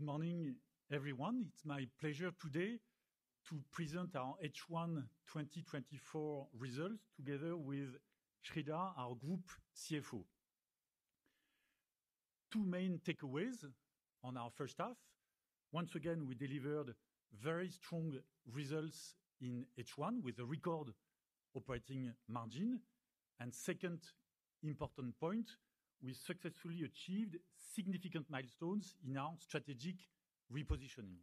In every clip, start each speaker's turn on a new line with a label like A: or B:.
A: Good morning, everyone. It's my pleasure today to present our H1 2024 results together with Sreedhar, our Group CFO. Two main takeaways on our first half: once again, we delivered very strong results in H1 with a record operating margin. Second important point, we successfully achieved significant milestones in our strategic repositioning.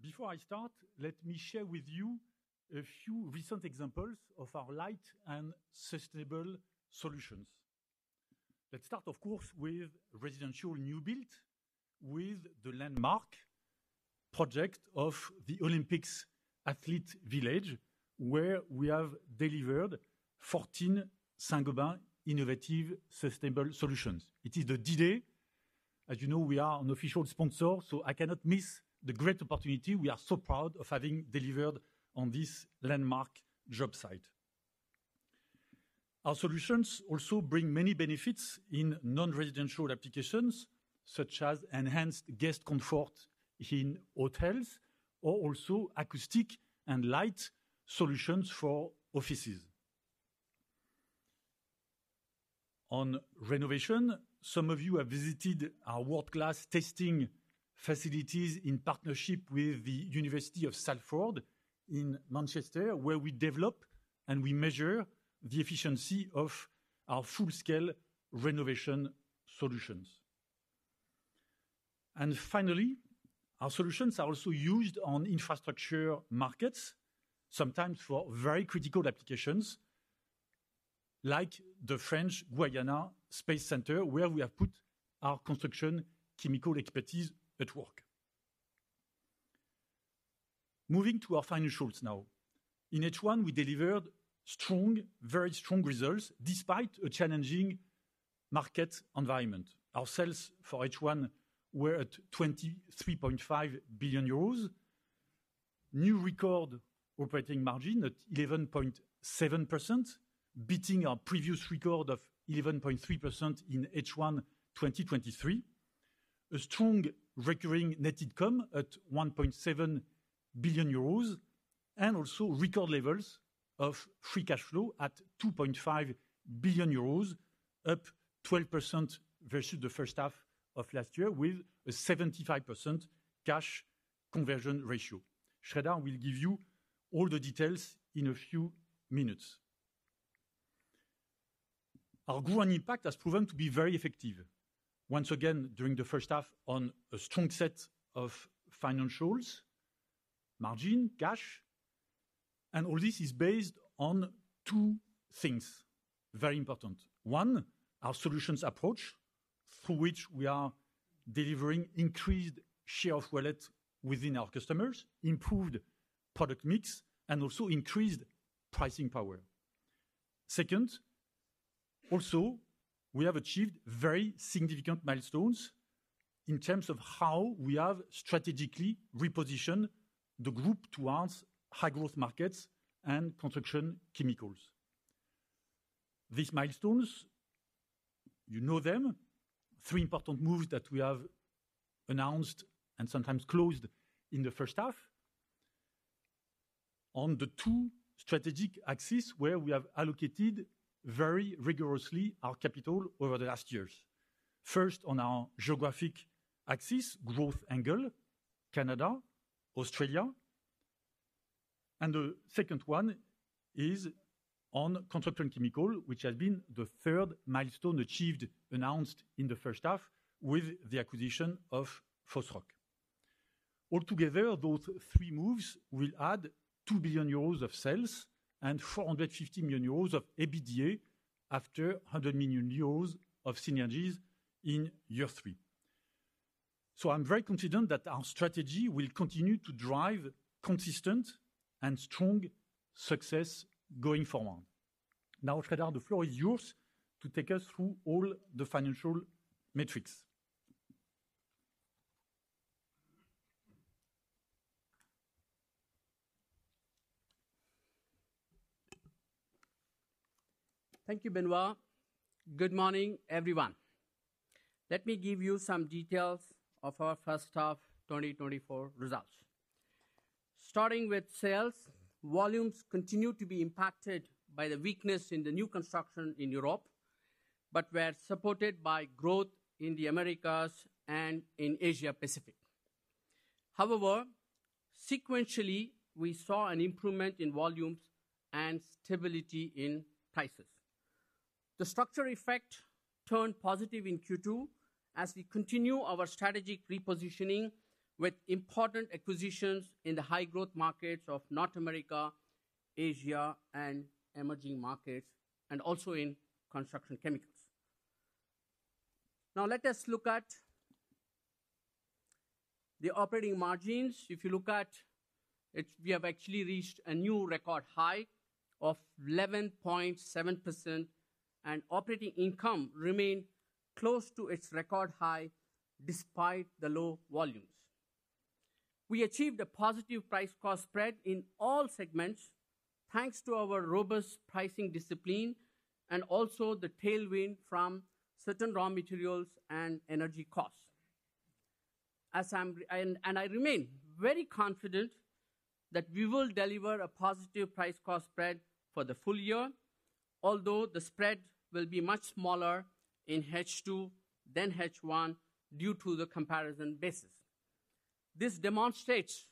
A: Before I start, let me share with you a few recent examples of our light and sustainable solutions. Let's start, of course, with residential new build, with the landmark project of the Olympics Athletes' Village, where we have delivered 14 Saint-Gobain innovative, sustainable solutions. It is the D-Day. As you know, we are an official sponsor, so I cannot miss the great opportunity. We are so proud of having delivered on this landmark job site. Our solutions also bring many benefits in non-residential applications, such as enhanced guest comfort in hotels or also acoustic and light solutions for offices. On renovation, some of you have visited our world-class testing facilities in partnership with the University of Salford in Manchester, where we develop and we measure the efficiency of our full-scale renovation solutions. And finally, our solutions are also used on infrastructure markets, sometimes for very critical applications, like the French Guiana Space Center, where we have put our construction chemical expertise at work. Moving to our financials now. In H1, we delivered strong, very strong results despite a challenging market environment. Our sales for H1 were at 23.5 billion euros. New record operating margin at 11.7%, beating our previous record of 11.3% in H1 2023. A strong recurring net income at 1.7 billion euros, and also record levels of free cash flow at 2.5 billion euros, up 12% versus the first half of last year, with a 75% cash conversion ratio. Sreedhar will give you all the details in a few minutes. Our Grow & Impact has proven to be very effective. Once again, during the first half on a strong set of financials, margin, cash, and all this is based on two things, very important. One, our solutions approach, through which we are delivering increased share of wallet within our customers, improved product mix, and also increased pricing power. Second, also, we have achieved very significant milestones in terms of how we have strategically repositioned the group towards high-growth markets and construction chemicals. These milestones, you know them, three important moves that we have announced and sometimes closed in the first half. On the two strategic axes, where we have allocated very rigorously our capital over the last years. First, on our geographic axis, growth angle, Canada, Australia, and the second one is on construction chemical, which has been the third milestone achieved, announced in the first half with the acquisition of Fosroc. Altogether, those three moves will add 2 billion euros of sales and 450 million euros of EBITDA after 100 million euros of synergies in year three. So I'm very confident that our strategy will continue to drive consistent and strong success going forward. Now, Sreedhar, the floor is yours to take us through all the financial metrics.
B: Thank you, Benoit. Good morning, everyone. Let me give you some details of our first half 2024 results. Starting with sales, volumes continued to be impacted by the weakness in the new construction in Europe, but were supported by growth in the Americas and in Asia Pacific. However, sequentially, we saw an improvement in volumes and stability in prices. The structure effect turned positive in Q2 as we continue our strategic repositioning with important acquisitions in the high-growth markets of North America, Asia, and emerging markets, and also in construction chemicals. Now, let us look at the operating margins. If you look at it, we have actually reached a new record high of 11.7%, and operating income remained close to its record high, despite the low volumes. We achieved a positive price-cost spread in all segments, thanks to our robust pricing discipline and also the tailwind from certain raw materials and energy costs. As I remain very confident that we will deliver a positive price-cost spread for the full year, although the spread will be much smaller in H2 than H1 due to the comparison basis. This demonstrates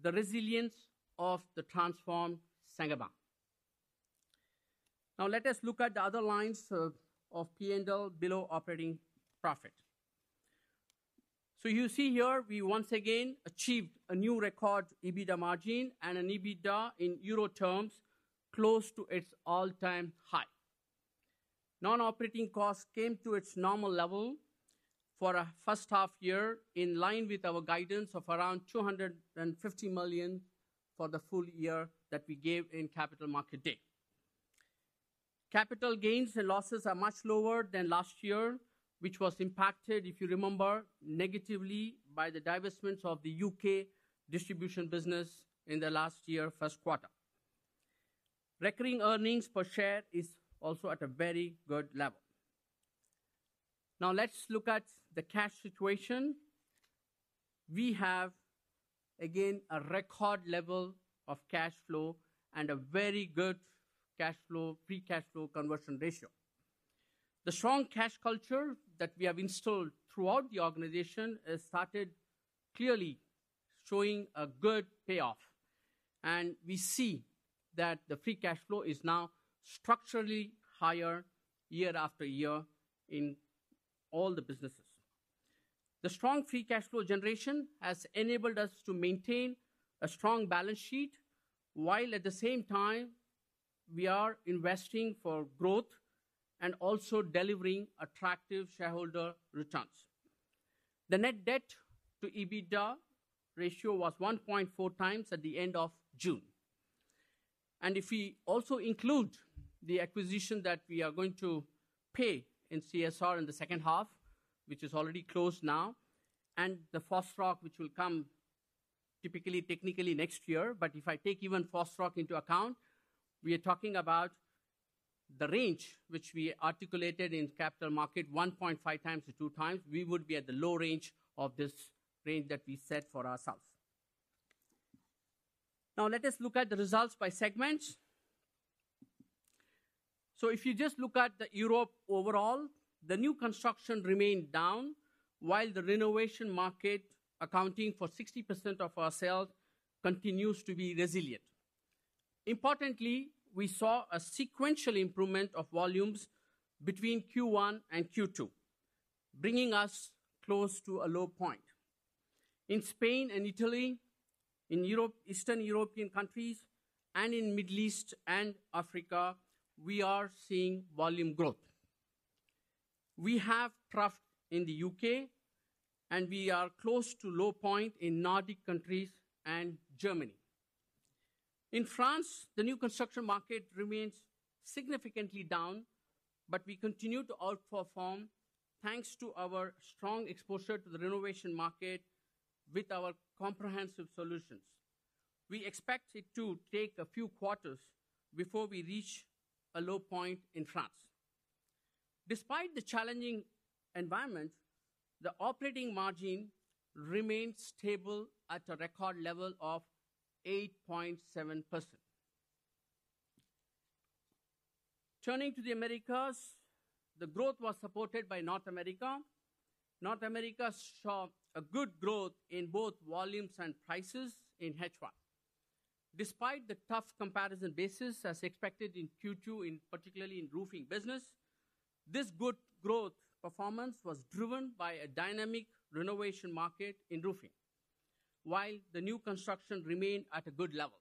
B: the resilience of the transformed Saint-Gobain. Now let us look at the other lines of P&L below operating profit. So you see here, we once again achieved a new record EBITDA margin and an EBITDA in euro terms, close to its all-time high. Non-operating costs came to its normal level for a first half year, in line with our guidance of around 250 million for the full year that we gave in Capital Market Day. Capital gains and losses are much lower than last year, which was impacted, if you remember, negatively by the divestment of the UK distribution business in the last year, first quarter. Recurring earnings per share is also at a very good level. Now let's look at the cash situation. We have, again, a record level of cash flow and a very good cash flow, free cash flow conversion ratio. The strong cash culture that we have installed throughout the organization has started clearly showing a good payoff, and we see that the free cash flow is now structurally higher year after year in all the businesses. The strong free cash flow generation has enabled us to maintain a strong balance sheet, while at the same time we are investing for growth and also delivering attractive shareholder returns. The net debt to EBITDA ratio was 1.4 times at the end of June. If we also include the acquisition that we are going to pay in CSR in the second half, which is already closed now, and the Fosroc, which will come typically, technically next year. If I take even Fosroc into account, we are talking about the range which we articulated in capital market, 1.5 times to 2 times, we would be at the low range of this range that we set for ourselves. Now, let us look at the results by segments. If you just look at the Europe overall, the new construction remained down, while the renovation market, accounting for 60% of our sales, continues to be resilient. Importantly, we saw a sequential improvement of volumes between Q1 and Q2, bringing us close to a low point. In Spain and Italy, in Europe, Eastern European countries, and in Middle East and Africa, we are seeing volume growth. We have trough in the UK, and we are close to low point in Nordic countries and Germany. In France, the new construction market remains significantly down, but we continue to outperform, thanks to our strong exposure to the renovation market with our comprehensive solutions. We expect it to take a few quarters before we reach a low point in France. Despite the challenging environment, the operating margin remains stable at a record level of 8.7%. Turning to the Americas, the growth was supported by North America. North America saw a good growth in both volumes and prices in H1. Despite the tough comparison basis, as expected in Q2, in particularly in roofing business, this good growth performance was driven by a dynamic renovation market in roofing, while the new construction remained at a good level.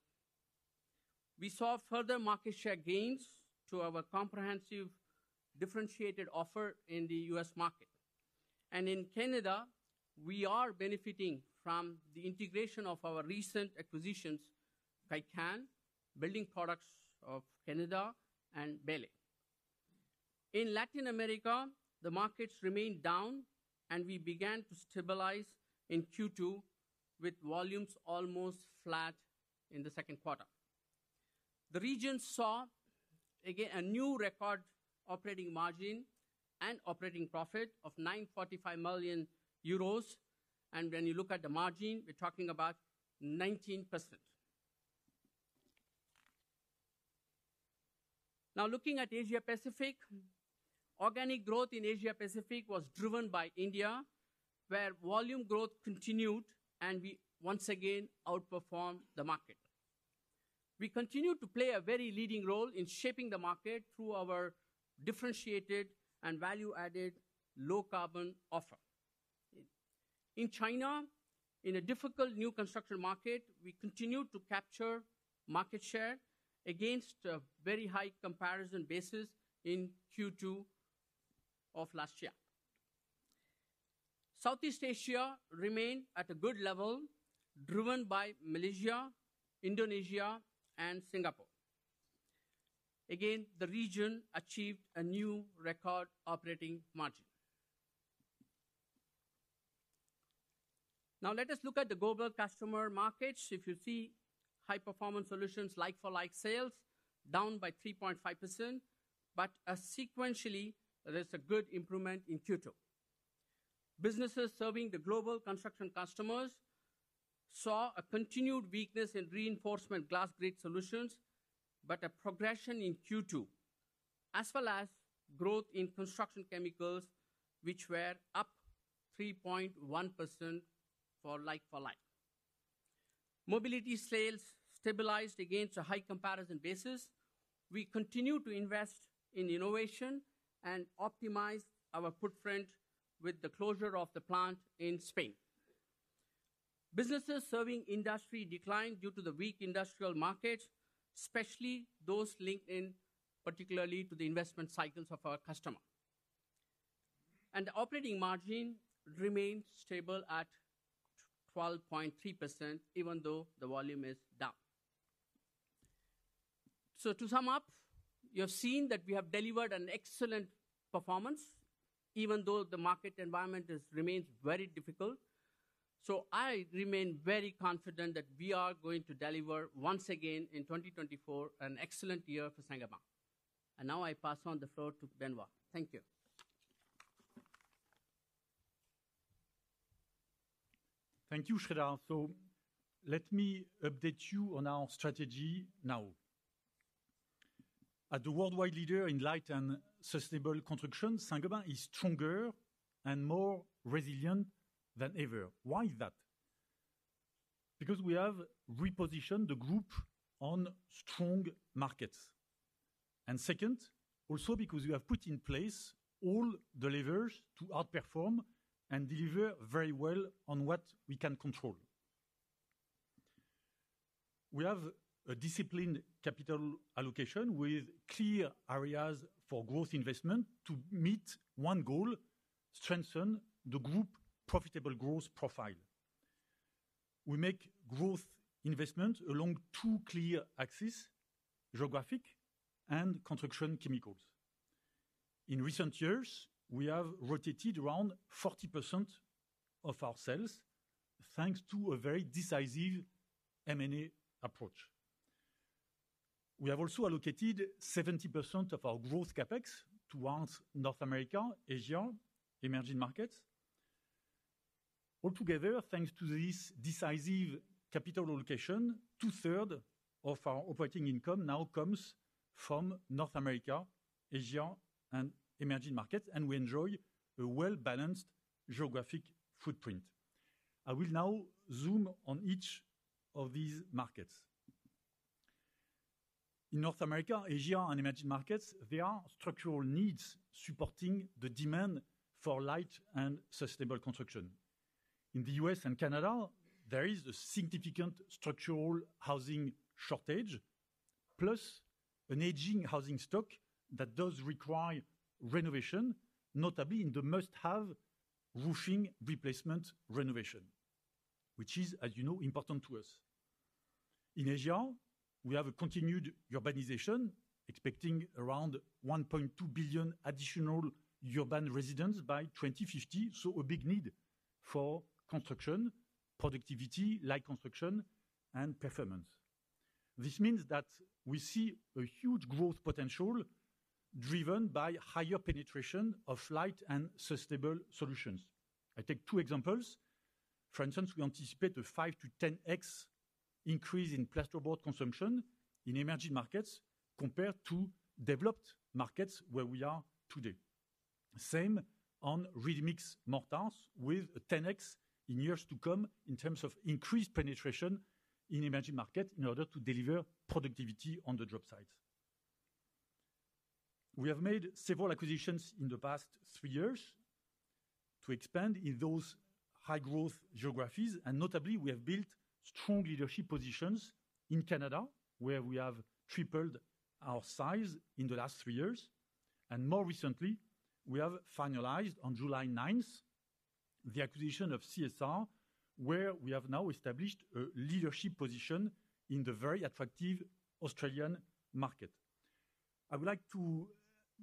B: We saw further market share gains to our comprehensive, differentiated offer in the U.S. market. And in Canada, we are benefiting from the integration of our recent acquisitions Kaycan Building Products of Canada and Bailey. In Latin America, the markets remained down, and we began to stabilize in Q2, with volumes almost flat in the second quarter. The region saw again, a new record operating margin and operating profit of 945 million euros, and when you look at the margin, we're talking about 19%. Now, looking at Asia-Pacific, organic growth in Asia-Pacific was driven by India, where volume growth continued, and we once again outperformed the market. We continued to play a very leading role in shaping the market through our differentiated and value-added low-carbon offer. In China, in a difficult new construction market, we continued to capture market share against a very high comparison basis in Q2 of last year. Southeast Asia remained at a good level, driven by Malaysia, Indonesia, and Singapore. Again, the region achieved a new record operating margin. Now, let us look at the global customer markets. If you see High-Performance Solutions, like-for-like sales down by 3.5%, but sequentially, there is a good improvement in Q2. Businesses serving the global construction customers saw a continued weakness in reinforcement glass grid solutions, but a progression in Q2, as well as growth in construction chemicals, which were up 3.1% for like-for-like. Mobility sales stabilized against a high comparison basis. We continue to invest in innovation and optimize our footprint with the closure of the plant in Spain. Businesses serving industry declined due to the weak industrial markets, especially those linked, in particular, to the investment cycles of our customer. The operating margin remained stable at 12.3%, even though the volume is down. To sum up, you have seen that we have delivered an excellent performance, even though the market environment has remained very difficult. I remain very confident that we are going to deliver once again in 2024, an excellent year for Saint-Gobain. Now I pass on the floor to Benoit. Thank you. Thank you, Sreedhar. Let me update you on our strategy now. As the worldwide leader in light and sustainable construction, Saint-Gobain is stronger and more resilient than ever. Why is that? Because we have repositioned the group on strong markets. Second, also because we have put in place all the levers to outperform and deliver very well on what we can control. We have a disciplined capital allocation with clear areas for growth investment to meet one goal: strengthen the group profitable growth profile. We make growth investment along two clear axes: geographic and construction chemicals. In recent years, we have rotated around 40% of our sales, thanks to a very decisive M&A approach. We have also allocated 70% of our growth CapEx towards North America, Asia, emerging markets. Altogether, thanks to this decisive capital allocation, two-thirds of our operating income now comes from North America, Asia, and emerging markets, and we enjoy a well-balanced geographic footprint. I will now zoom on each of these markets. In North America, Asia, and emerging markets, there are structural needs supporting the demand for light and sustainable construction. In the U.S. and Canada, there is a significant structural housing shortage, plus an aging housing stock that does require renovation, notably in the must-have roofing replacement renovation, which is, as you know, important to us. In Asia, we have a continued urbanization, expecting around 1.2 billion additional urban residents by 2050, so a big need for construction, productivity, light construction, and performance. This means that we see a huge growth potential driven by higher penetration of light and sustainable solutions. I take two examples. For instance, we anticipate a 5-10x increase in plasterboard consumption in emerging markets compared to developed markets where we are today. Same on ready-mix mortars, with a 10x in years to come in terms of increased penetration in emerging market in order to deliver productivity on the job site. We have made several acquisitions in the past 3 years to expand in those high-growth geographies, and notably, we have built strong leadership positions in Canada, where we have tripled our size in the last 3 years. More recently, we have finalized on July 9, the acquisition of CSR, where we have now established a leadership position in the very attractive Australian market. I would like to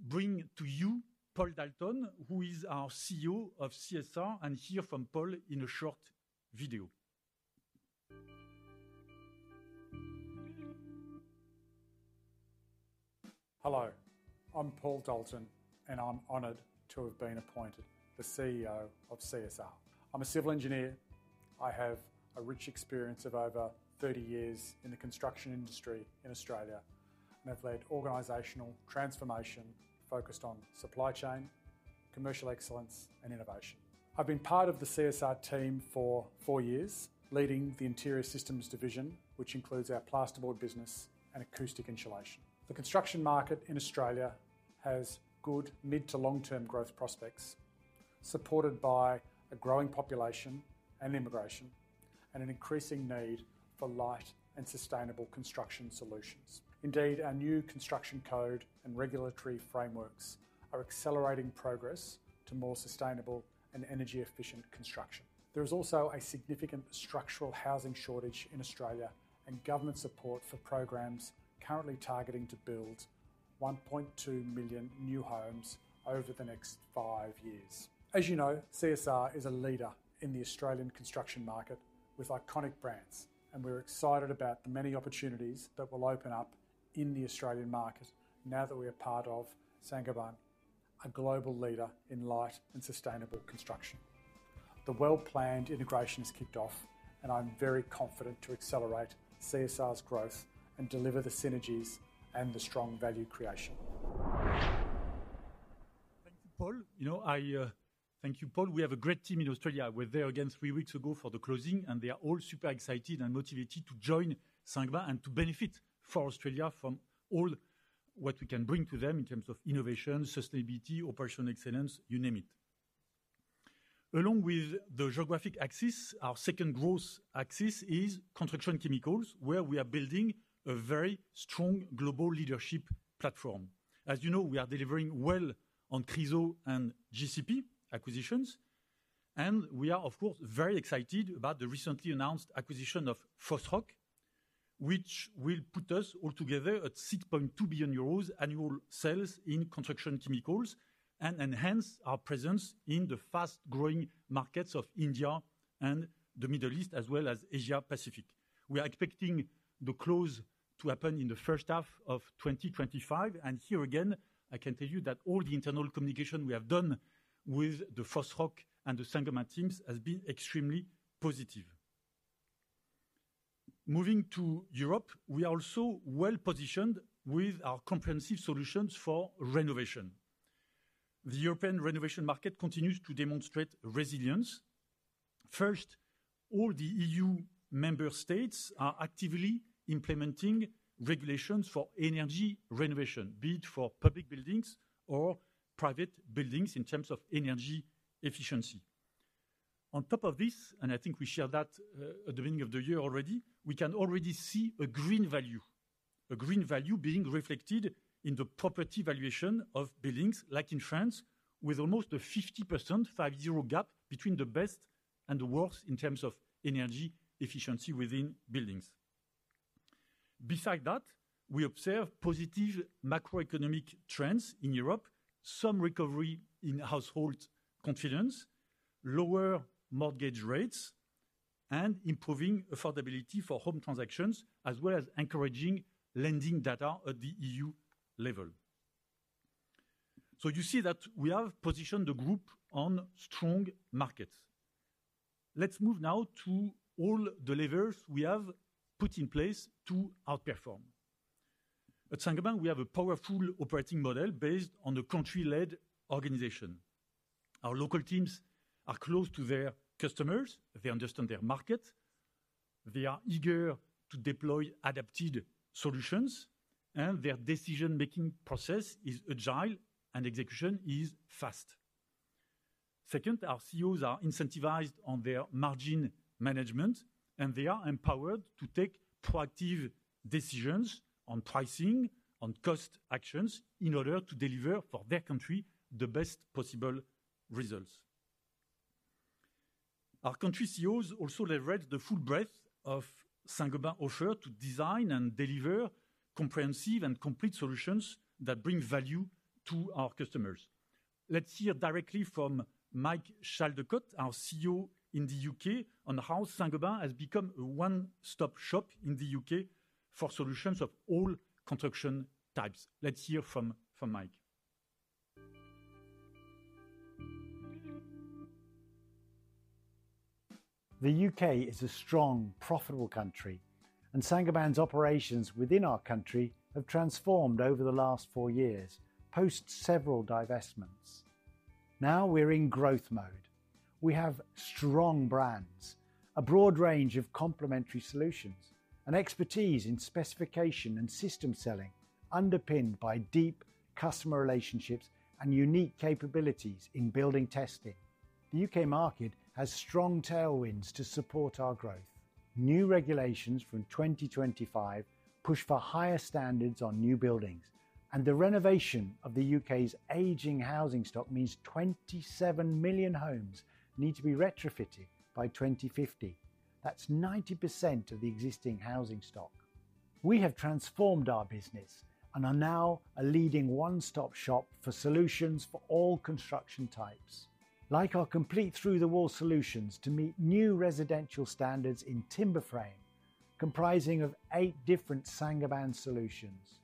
B: bring to you, Paul Dalton, who is our CEO of CSR, and hear from Paul in a short video.
C: Hello, I'm Paul Dalton, and I'm honored to have been appointed the CEO of CSR. I'm a civil engineer. I have a rich experience of over 30 years in the construction industry in Australia, and I've led organizational transformation focused on supply chain, commercial excellence, and innovation. I've been part of the CSR team for 4 years, leading the Interior Systems division, which includes our plasterboard business and acoustic insulation. The construction market in Australia has good mid- to long-term growth prospects, supported by a growing population and immigration... and an increasing need for light and sustainable construction solutions. Indeed, our new construction code and regulatory frameworks are accelerating progress to more sustainable and energy-efficient construction. There is also a significant structural housing shortage in Australia, and government support for programs currently targeting to build 1.2 million new homes over the next 5 years. As you know, CSR is a leader in the Australian construction market with iconic brands, and we're excited about the many opportunities that will open up in the Australian market now that we are part of Saint-Gobain, a global leader in light and sustainable construction. The well-planned integration has kicked off, and I'm very confident to accelerate CSR's growth and deliver the synergies and the strong value creation.
A: Thank you, Paul. You know, thank you, Paul. We have a great team in Australia. I was there again three weeks ago for the closing, and they are all super excited and motivated to join Saint-Gobain and to benefit for Australia from all what we can bring to them in terms of innovation, sustainability, operational excellence, you name it. Along with the geographic axis, our second growth axis is construction chemicals, where we are building a very strong global leadership platform. As you know, we are delivering well on Chryso and GCP acquisitions, and we are, of course, very excited about the recently announced acquisition of Fosroc, which will put us all together at 6.2 billion euros annual sales in construction chemicals and enhance our presence in the fast-growing markets of India and the Middle East, as well as Asia Pacific. We are expecting the close to happen in the first half of 2025, and here again, I can tell you that all the internal communication we have done with the Fosroc and the Saint-Gobain teams has been extremely positive. Moving to Europe, we are also well-positioned with our comprehensive solutions for renovation. The European renovation market continues to demonstrate resilience. First, all the EU member states are actively implementing regulations for energy renovation, be it for public buildings or private buildings in terms of energy efficiency. On top of this, and I think we shared that, at the beginning of the year already, we can already see a green value, a green value being reflected in the property valuation of buildings, like in France, with almost a 50% 50 gap between the best and the worst in terms of energy efficiency within buildings. Besides that, we observe positive macroeconomic trends in Europe, some recovery in household confidence, lower mortgage rates, and improving affordability for home transactions, as well as encouraging lending data at the E.U. level. So you see that we have positioned the group on strong markets. Let's move now to all the levers we have put in place to outperform. At Saint-Gobain, we have a powerful operating model based on a country-led organization. Our local teams are close to their customers, they understand their market, they are eager to deploy adapted solutions, and their decision-making process is agile and execution is fast. Second, our CEOs are incentivized on their margin management, and they are empowered to take proactive decisions on pricing, on cost actions, in order to deliver for their country the best possible results. Our country CEOs also leverage the full breadth of Saint-Gobain offer to design and deliver comprehensive and complete solutions that bring value to our customers. Let's hear directly from Mike Chaldecott, our CEO in the UK, on how Saint-Gobain has become a one-stop shop in the UK for solutions of all construction types. Let's hear from Mike.
D: The UK is a strong, profitable country, and Saint-Gobain's operations within our country have transformed over the last four years, post several divestments. Now, we're in growth mode. We have strong brands, a broad range of complementary solutions, and expertise in specification and system selling, underpinned by deep customer relationships and unique capabilities in building testing. The UK market has strong tailwinds to support our growth. New regulations from 2025 push for higher standards on new buildings, and the renovation of the UK's aging housing stock means 27 million homes need to be retrofitted by 2050. That's 90% of the existing housing stock. We have transformed our business and are now a leading one-stop shop for solutions for all construction types, like our complete through-the-wall solutions to meet new residential standards in timber frame, comprising of eight different Saint-Gobain solutions,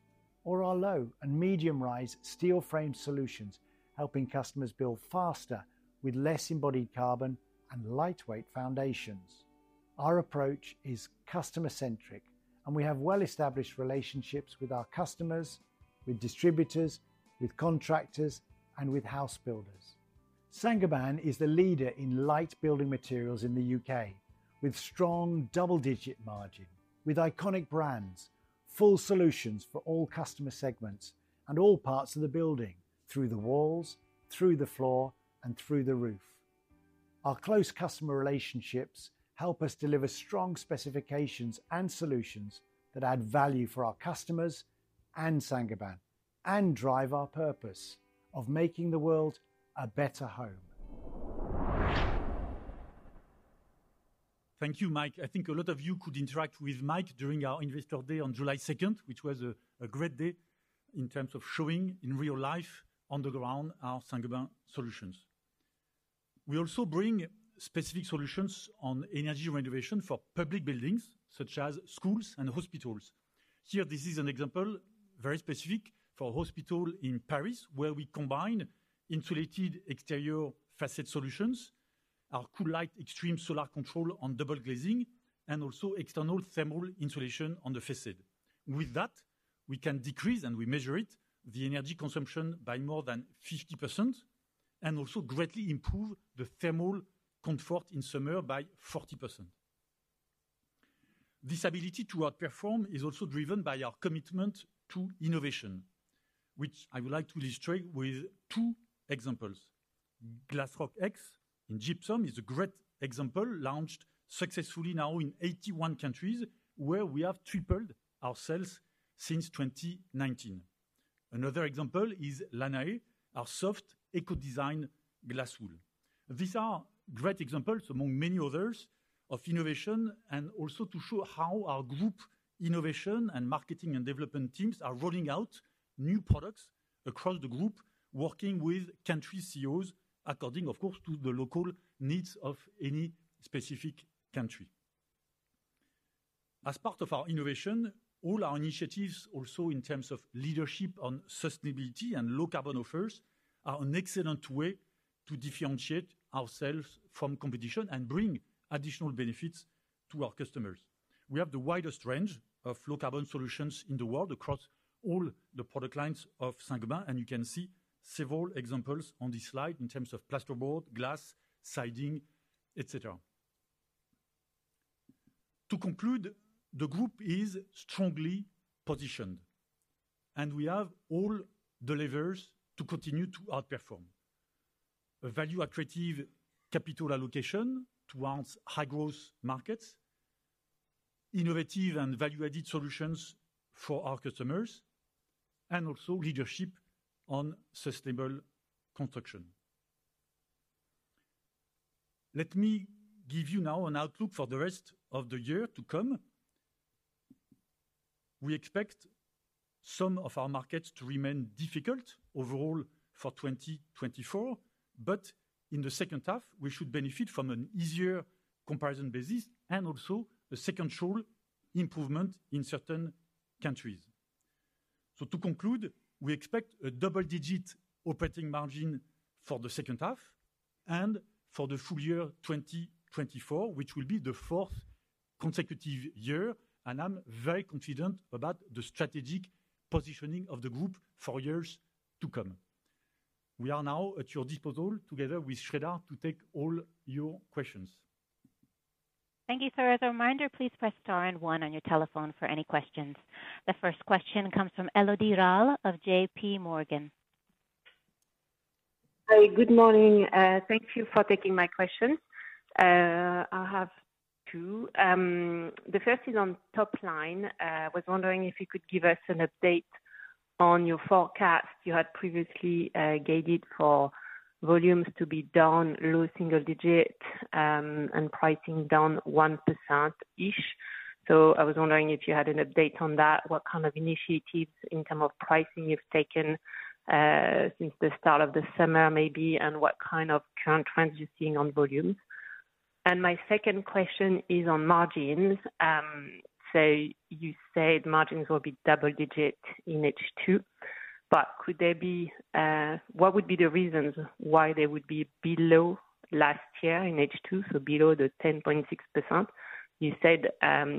D: or our low and medium-rise steel-framed solutions, helping customers build faster with less embodied carbon and lightweight foundations. Our approach is customer-centric, and we have well-established relationships with our customers, with distributors, with contractors, and with house builders. Saint-Gobain is the leader in light building materials in the U.K., with strong double-digit margin.... with iconic brands, full solutions for all customer segments and all parts of the building, through the walls, through the floor, and through the roof. Our close customer relationships help us deliver strong specifications and solutions that add value for our customers and Saint-Gobain, and drive our purpose of making the world a better home.
A: Thank you, Mike. I think a lot of you could interact with Mike during our Investor Day on July second, which was a great day in terms of showing in real life, on the ground, our Saint-Gobain solutions. We also bring specific solutions on energy renovation for public buildings such as schools and hospitals. Here, this is an example, very specific, for a hospital in Paris, where we combine insulated exterior facade solutions, our COOL-LITE XTREME solar control on double glazing, and also external thermal insulation on the facade. With that, we can decrease, and we measure it, the energy consumption by more than 50%, and also greatly improve the thermal comfort in summer by 40%. This ability to outperform is also driven by our commitment to innovation, which I would like to illustrate with two examples. Glasroc X in gypsum is a great example, launched successfully now in 81 countries, where we have tripled our sales since 2019. Another example is Lanaé, our soft eco-design glass wool. These are great examples, among many others, of innovation, and also to show how our group innovation and marketing and development teams are rolling out new products across the group, working with country CEOs, according to, of course, the local needs of any specific country. As part of our innovation, all our initiatives also in terms of leadership on sustainability and low carbon offers, are an excellent way to differentiate ourselves from competition and bring additional benefits to our customers. We have the widest range of low carbon solutions in the world across all the product lines of Saint-Gobain, and you can see several examples on this slide in terms of plasterboard, glass, siding, etc. To conclude, the group is strongly positioned, and we have all the levers to continue to outperform. A value accretive capital allocation towards high-growth markets, innovative and value-added solutions for our customers, and also leadership on sustainable construction. Let me give you now an outlook for the rest of the year to come. We expect some of our markets to remain difficult overall for 2024, but in the second half we should benefit from an easier comparison basis and also a sequential improvement in certain countries. So to conclude, we expect a double-digit operating margin for the second half and for the full year 2024, which will be the fourth consecutive year, and I'm very confident about the strategic positioning of the group for years to come. We are now at your disposal, together with Sreedhar, to take all your questions.
E: Thank you, sir. As a reminder, please press star and one on your telephone for any questions. The first question comes from Elodie Rall of J.P. Morgan.
F: Hi, good morning. Thank you for taking my question. I have two. The first is on top line. I was wondering if you could give us an update on your forecast. You had previously guided for volumes to be down, low single-digit, and pricing down 1%-ish. So I was wondering if you had an update on that, what kind of initiatives in terms of pricing you've taken, since the start of the summer, maybe, and what kind of current trends you're seeing on volumes? My second question is on margins. So you said margins will be double-digit in H2, but could there be... What would be the reasons why they would be below last year in H2, so below the 10.6%? You said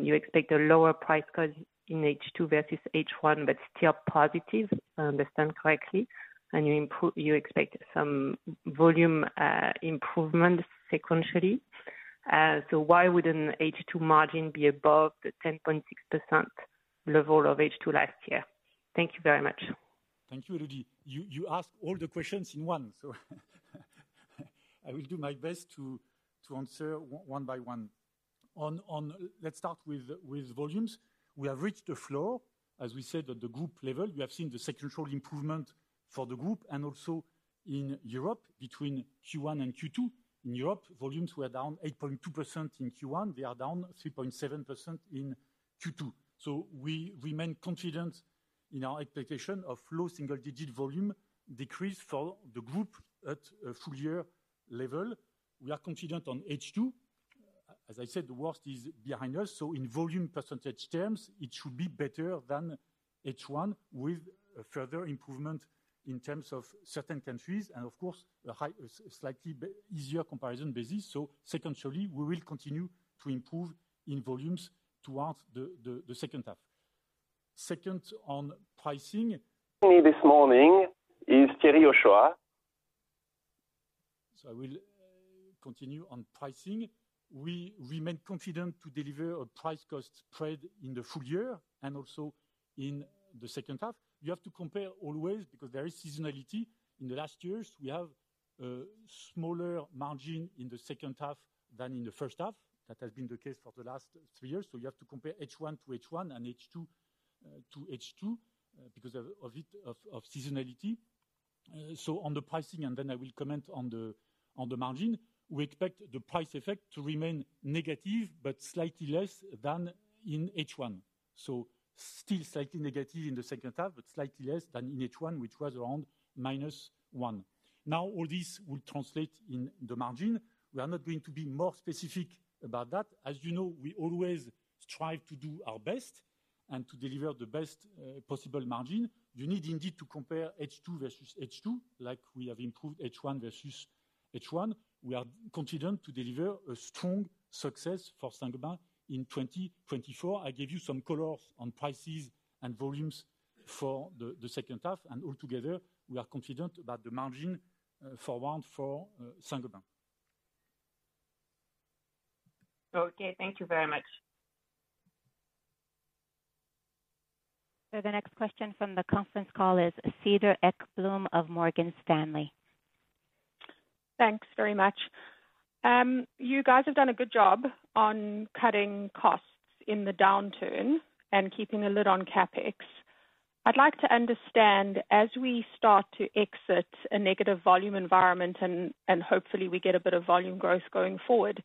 F: you expect a lower price cost in H2 versus H1, but still positive, if I understand correctly, and you expect some volume improvement sequentially. So why would an H2 margin be above the 10.6% level of H2 last year? Thank you very much.
A: Thank you, Elodie. You asked all the questions in one, so I will do my best to answer one by one. Let's start with volumes. We have reached the floor. As we said, at the group level, we have seen the sequential improvement for the group and also in Europe between Q1 and Q2. In Europe, volumes were down 8.2% in Q1. They are down 3.7% in Q2. So we remain confident in our expectation of low single-digit volume decrease for the group at a full year level. We are confident on H2. As I said, the worst is behind us, so in volume percentage terms, it should be better than H1, with a further improvement in terms of certain countries and of course, a slightly easier comparison basis. So sequentially, we will continue to improve in volumes towards the second half. Second, on pricing-
D: me this morning is Thierry Ochoa....
A: So I will continue on pricing. We remain confident to deliver a price-cost spread in the full year and also in the second half. You have to compare always, because there is seasonality. In the last years, we have a smaller margin in the second half than in the first half. That has been the case for the last three years. So you have to compare H1 to H1 and H2 to H2 because of seasonality. So on the pricing, and then I will comment on the margin. We expect the price effect to remain negative, but slightly less than in H1, so still slightly negative in the second half, but slightly less than in H1, which was around minus one. Now, all this will translate in the margin. We are not going to be more specific about that. As you know, we always strive to do our best and to deliver the best possible margin. You need indeed to compare H2 versus H2, like we have improved H1 versus H1. We are confident to deliver a strong success for Saint-Gobain in 2024. I gave you some colors on prices and volumes for the second half, and altogether we are confident about the margin for one, for Saint-Gobain.
F: Okay, thank you very much.
E: The next question from the conference call is Cedar Ekblom of Morgan Stanley.
G: Thanks very much. You guys have done a good job on cutting costs in the downturn and keeping a lid on CapEx. I'd like to understand, as we start to exit a negative volume environment and hopefully we get a bit of volume growth going forward,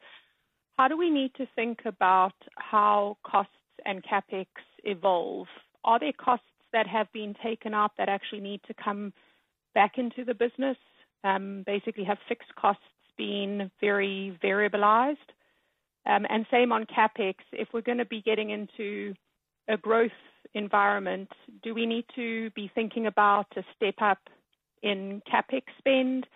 G: how do we need to think about how costs and CapEx evolve? Are there costs that have been taken out that actually need to come back into the business? Basically, have fixed costs been very variabilized? And same on CapEx. If we're gonna be getting into a growth environment, do we need to be thinking about a step up in CapEx spend?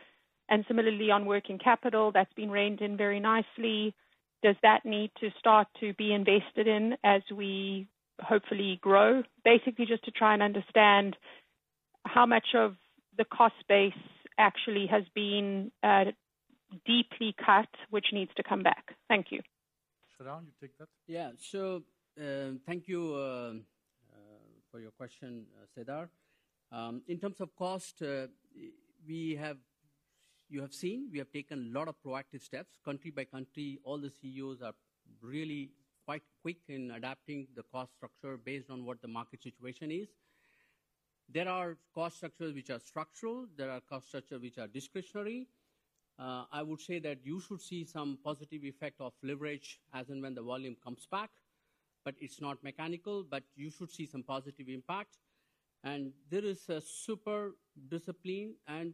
G: And similarly, on working capital, that's been reined in very nicely, does that need to start to be invested in as we hopefully grow? Basically, just to try and understand how much of the cost base actually has been deeply cut, which needs to come back. Thank you.
A: Sreedhar, you take that?
B: Yeah. So, thank you for your question, Cedar. In terms of cost, we have—you have seen, we have taken a lot of proactive steps, country by country. All the CEOs are really quite quick in adapting the cost structure based on what the market situation is. There are cost structures which are structural. There are cost structures which are discretionary. I would say that you should see some positive effect of leverage as and when the volume comes back, but it's not mechanical. But you should see some positive impact. And there is a super discipline and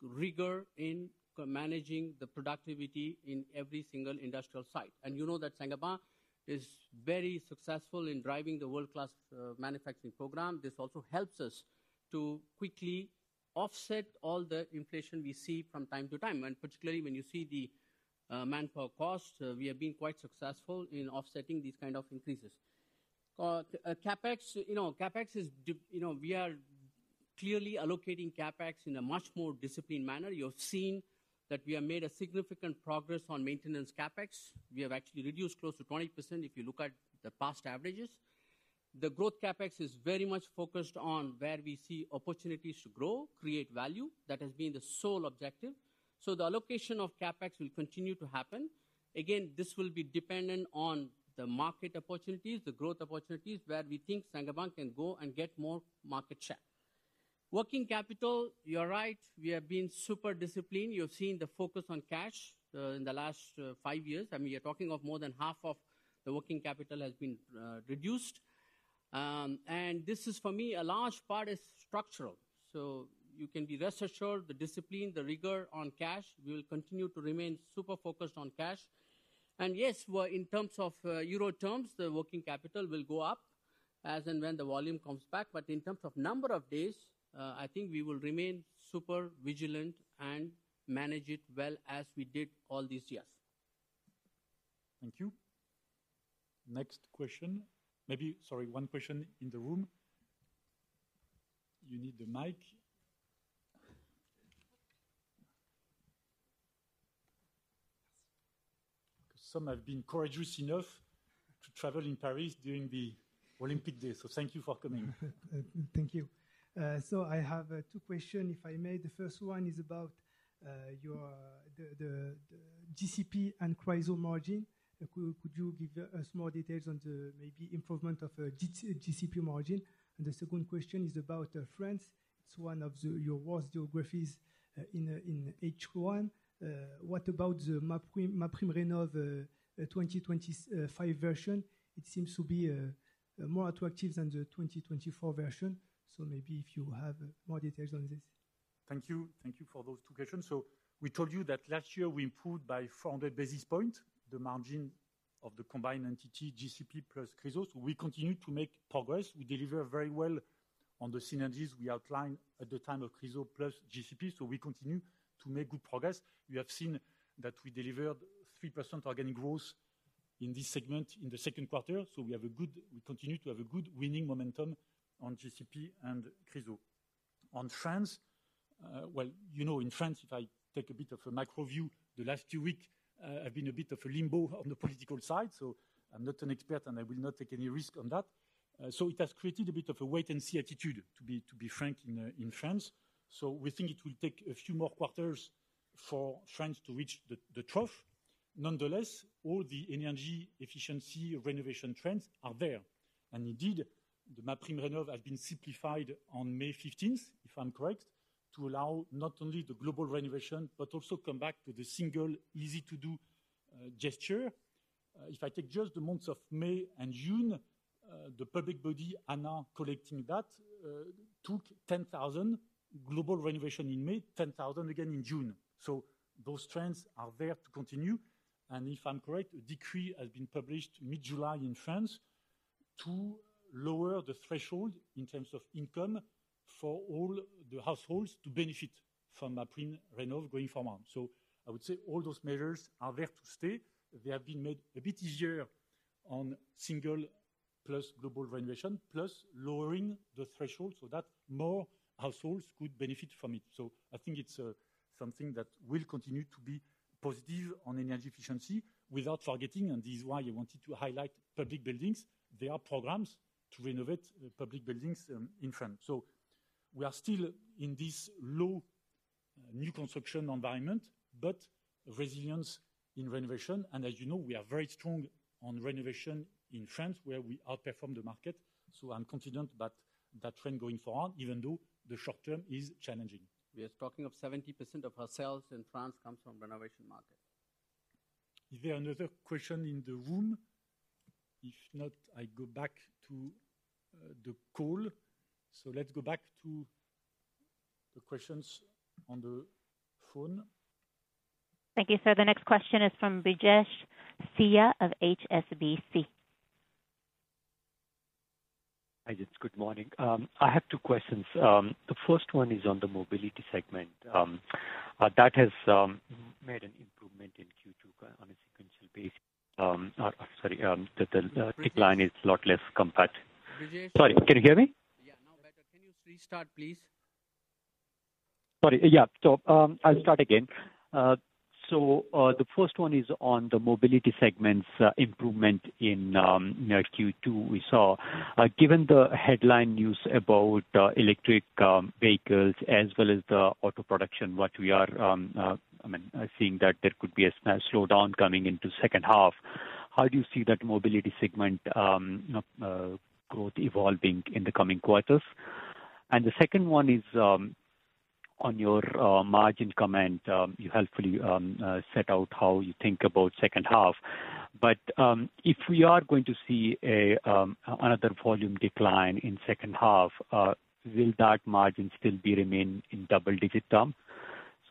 B: rigor in managing the productivity in every single industrial site. And you know that Saint-Gobain is very successful in driving the World Class Manufacturing program. This also helps us to quickly offset all the inflation we see from time to time, and particularly when you see the manpower cost. We have been quite successful in offsetting these kind of increases. CapEx, you know, CapEx is. You know, we are clearly allocating CapEx in a much more disciplined manner. You have seen that we have made a significant progress on maintenance CapEx. We have actually reduced close to 20% if you look at the past averages. The growth CapEx is very much focused on where we see opportunities to grow, create value. That has been the sole objective. So the allocation of CapEx will continue to happen. Again, this will be dependent on the market opportunities, the growth opportunities, where we think Saint-Gobain can go and get more market share. Working capital, you are right, we have been super disciplined. You have seen the focus on cash in the last five years. I mean, you're talking of more than half of the working capital has been reduced. This is for me a large part is structural, so you can be rest assured, the discipline, the rigor on cash will continue to remain super focused on cash. Yes, well, in terms of euro terms, the working capital will go up as and when the volume comes back. But in terms of number of days, I think we will remain super vigilant and manage it well as we did all these years.
A: Thank you. Next question. Maybe... Sorry, one question in the room. You need the mic. Some have been courageous enough to travel in Paris during the Olympic days, so thank you for coming.
G: Thank you. So I have two question, if I may. The first one is about your the GCP and Chryso margin. Could you give us more details on the maybe improvement of GCP margin? And the second question is about France. It's one of your worst geographies in H1. What about the MaPrimeRénov', the 2025 version? It seems to be more attractive than the 2024 version. So maybe if you have more details on this.
A: Thank you. Thank you for those two questions. So we told you that last year we improved by 400 basis points, the margin of the combined entity, GCP plus Chryso. So we continue to make progress. We deliver very well on the synergies we outlined at the time of Chryso plus GCP, so we continue to make good progress. You have seen that we delivered 3% organic growth in this segment in the second quarter, so we continue to have a good winning momentum on GCP and Chryso. On France, well, you know, in France, if I take a bit of a micro view, the last two weeks have been a bit of a limbo on the political side, so I'm not an expert, and I will not take any risk on that. So it has created a bit of a wait and see attitude, to be, to be frank, in France. So we think it will take a few more quarters for France to reach the trough. Nonetheless, all the energy efficiency renovation trends are there. And indeed, the MaPrimeRénov' has been simplified on May fifteenth, if I'm correct, to allow not only the global renovation, but also come back to the single, easy to do gesture. If I take just the months of May and June, the public body, Anah, collecting that, took 10,000 global renovation in May, 10,000 again in June. So those trends are there to continue, and if I'm correct, a decree has been published mid-July in France to lower the threshold in terms of income for all the households to benefit from MaPrimeRénov' going forward. So I would say all those measures are there to stay. They have been made a bit easier on single plus global renovation, plus lowering the threshold so that more households could benefit from it. So I think it's something that will continue to be positive on energy efficiency without forgetting, and this is why I wanted to highlight public buildings. There are programs to renovate public buildings in France. So we are still in this low new construction environment, but resilience in renovation, and as you know, we are very strong on renovation in France, where we outperform the market. So I'm confident that that trend going forward, even though the short term is challenging.
B: We are talking of 70% of our sales in France comes from renovation market.
A: Is there another question in the room? If not, I go back to the call. So let's go back to the questions on the phone.
E: Thank you, sir. The next question is from Brijesh Siya of HSBC.
F: Hi, guys. Good morning. I have two questions. The first one is on the mobility segment. Sorry, the decline is a lot less compact.
A: Brijesh?
H: Sorry, can you hear me?
A: Yeah, now better. Can you restart, please?
H: Sorry. Yeah. So, I'll start again. So, the first one is on the mobility segment's improvement in, you know Q2 we saw. Given the headline news about electric vehicles as well as the auto production, what we are, I mean, seeing that there could be a slowdown coming into second half, how do you see that mobility segment growth evolving in the coming quarters? And the second one is on your margin comment. You helpfully set out how you think about second half. But, if we are going to see another volume decline in second half, will that margin still remain in double digit term?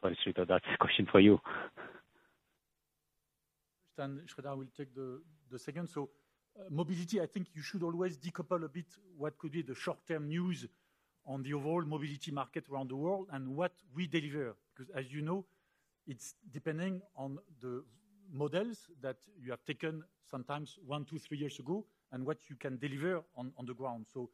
H: Sorry, Sreedhar, that's a question for you.
A: Sreedhar will take the second. So, mobility, I think you should always decouple a bit what could be the short-term news on the overall mobility market around the world and what we deliver. 'Cause as you know, it's depending on the models that you have taken, sometimes 1, 2, 3 years ago, and what you can deliver on the ground. So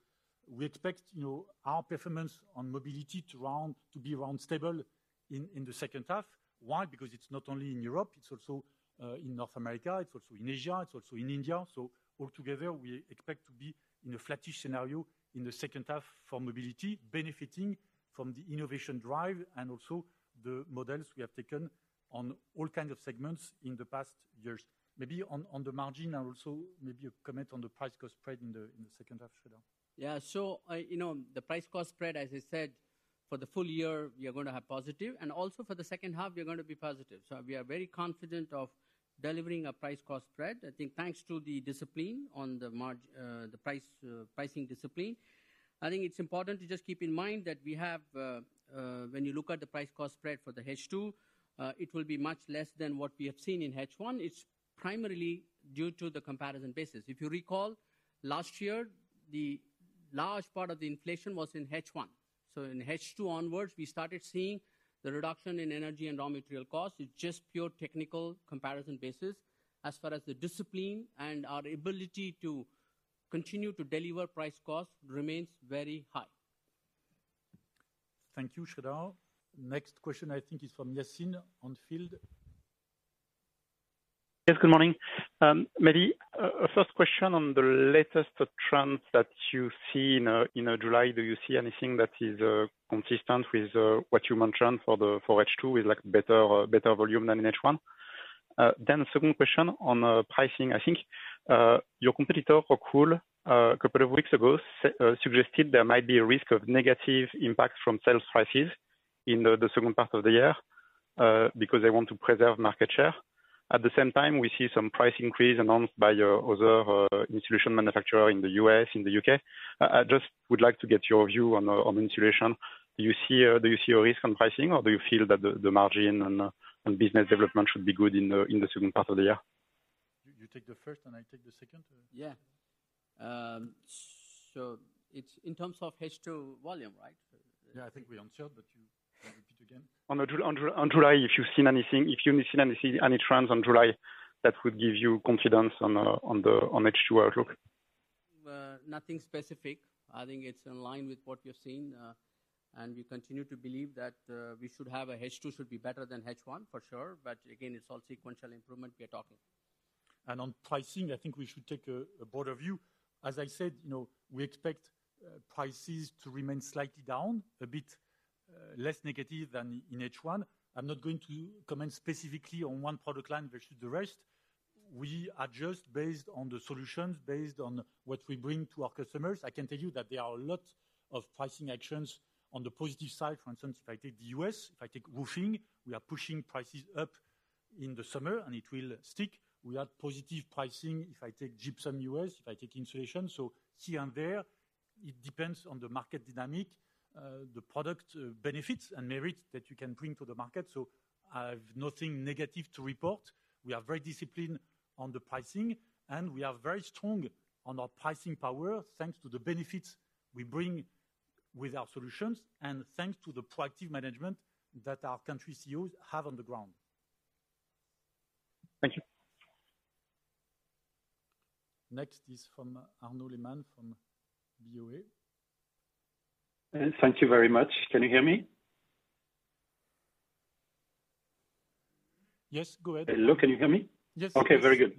A: we expect, you know, our performance on mobility to be around stable in the second half. Why? Because it's not only in Europe, it's also in North America, it's also in Asia, it's also in India. So altogether, we expect to be in a flattish scenario in the second half for mobility, benefiting from the innovation drive and also the models we have taken on all kind of segments in the past years. Maybe on the margin, and also maybe a comment on the price-cost spread in the second half, Sreedhar.
B: Yeah. So, you know, the price cost spread, as I said, for the full year, we are going to have positive, and also for the second half, we are going to be positive. So we are very confident of delivering a price cost spread, I think thanks to the discipline on the the price, pricing discipline. I think it's important to just keep in mind that we have, when you look at the price cost spread for the H2, it will be much less than what we have seen in H1. It's primarily due to the comparison basis. If you recall, last year, the large part of the inflation was in H1. So in H2 onwards, we started seeing the reduction in energy and raw material costs. It's just pure technical comparison basis. As far as the discipline and our ability to continue to deliver price cost remains very high.
A: Thank you, Sreedhar. Next question, I think, is from Yassine On Field.
I: Yes, good morning. Maybe a first question on the latest trends that you see in July. Do you see anything that is consistent with what you mentioned for H2 with like better volume than in H1? Then the second question on pricing. I think your competitor, Rockwool, a couple of weeks ago suggested there might be a risk of negative impact from sales prices in the second part of the year because they want to preserve market share. At the same time, we see some price increase announced by your other insulation manufacturer in the US, in the UK. I just would like to get your view on insulation. Do you see a risk on pricing, or do you feel that the margin and business development should be good in the second part of the year?
A: You, you take the first, and I take the second?
B: Yeah... so it's in terms of H2 volume, right?
A: Yeah, I think we answered, but you can repeat again.
I: On July, if you've seen anything, any trends on July, that would give you confidence on the H2 outlook?
B: Nothing specific. I think it's in line with what you're seeing, and we continue to believe that we should have a H2 should be better than H1, for sure. But again, it's all sequential improvement we are talking.
A: On pricing, I think we should take a, a broader view. As I said, you know, we expect, prices to remain slightly down, a bit, less negative than in H1. I'm not going to comment specifically on one product line versus the rest. We adjust based on the solutions, based on what we bring to our customers. I can tell you that there are a lot of pricing actions on the positive side. For instance, if I take the U.S., if I take roofing, we are pushing prices up in the summer, and it will stick. We have positive pricing if I take gypsum U.S., if I take insulation. So here and there, it depends on the market dynamic, the product, benefits and merits that you can bring to the market. So I've nothing negative to report. We are very disciplined on the pricing, and we are very strong on our pricing power, thanks to the benefits we bring with our solutions and thanks to the proactive management that our country CEOs have on the ground.
I: Thank you.
A: Next is from Arnaud Lehmann from BOA.
J: Thank you very much. Can you hear me?
A: Yes, go ahead.
J: Hello, can you hear me?
A: Yes.
J: Okay, very good.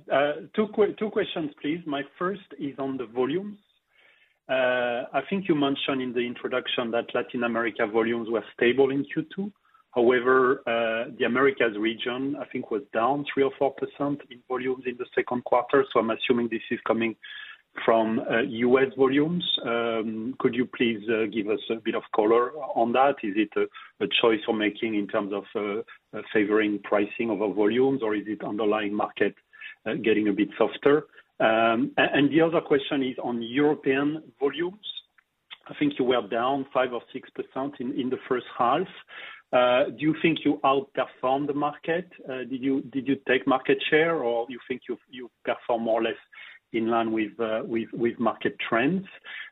J: Two questions, please. My first is on the volumes. I think you mentioned in the introduction that Latin America volumes were stable in Q2. However, the Americas region, I think, was down 3% or 4% in volumes in the second quarter, so I'm assuming this is coming from U.S. volumes. Could you please give us a bit of color on that? Is it a choice you're making in terms of favoring pricing over volumes, or is it underlying market getting a bit softer? And the other question is on European volumes. I think you were down 5% or 6% in the first half. Do you think you outperformed the market? Did you take market share, or you think you perform more or less in line with market trends?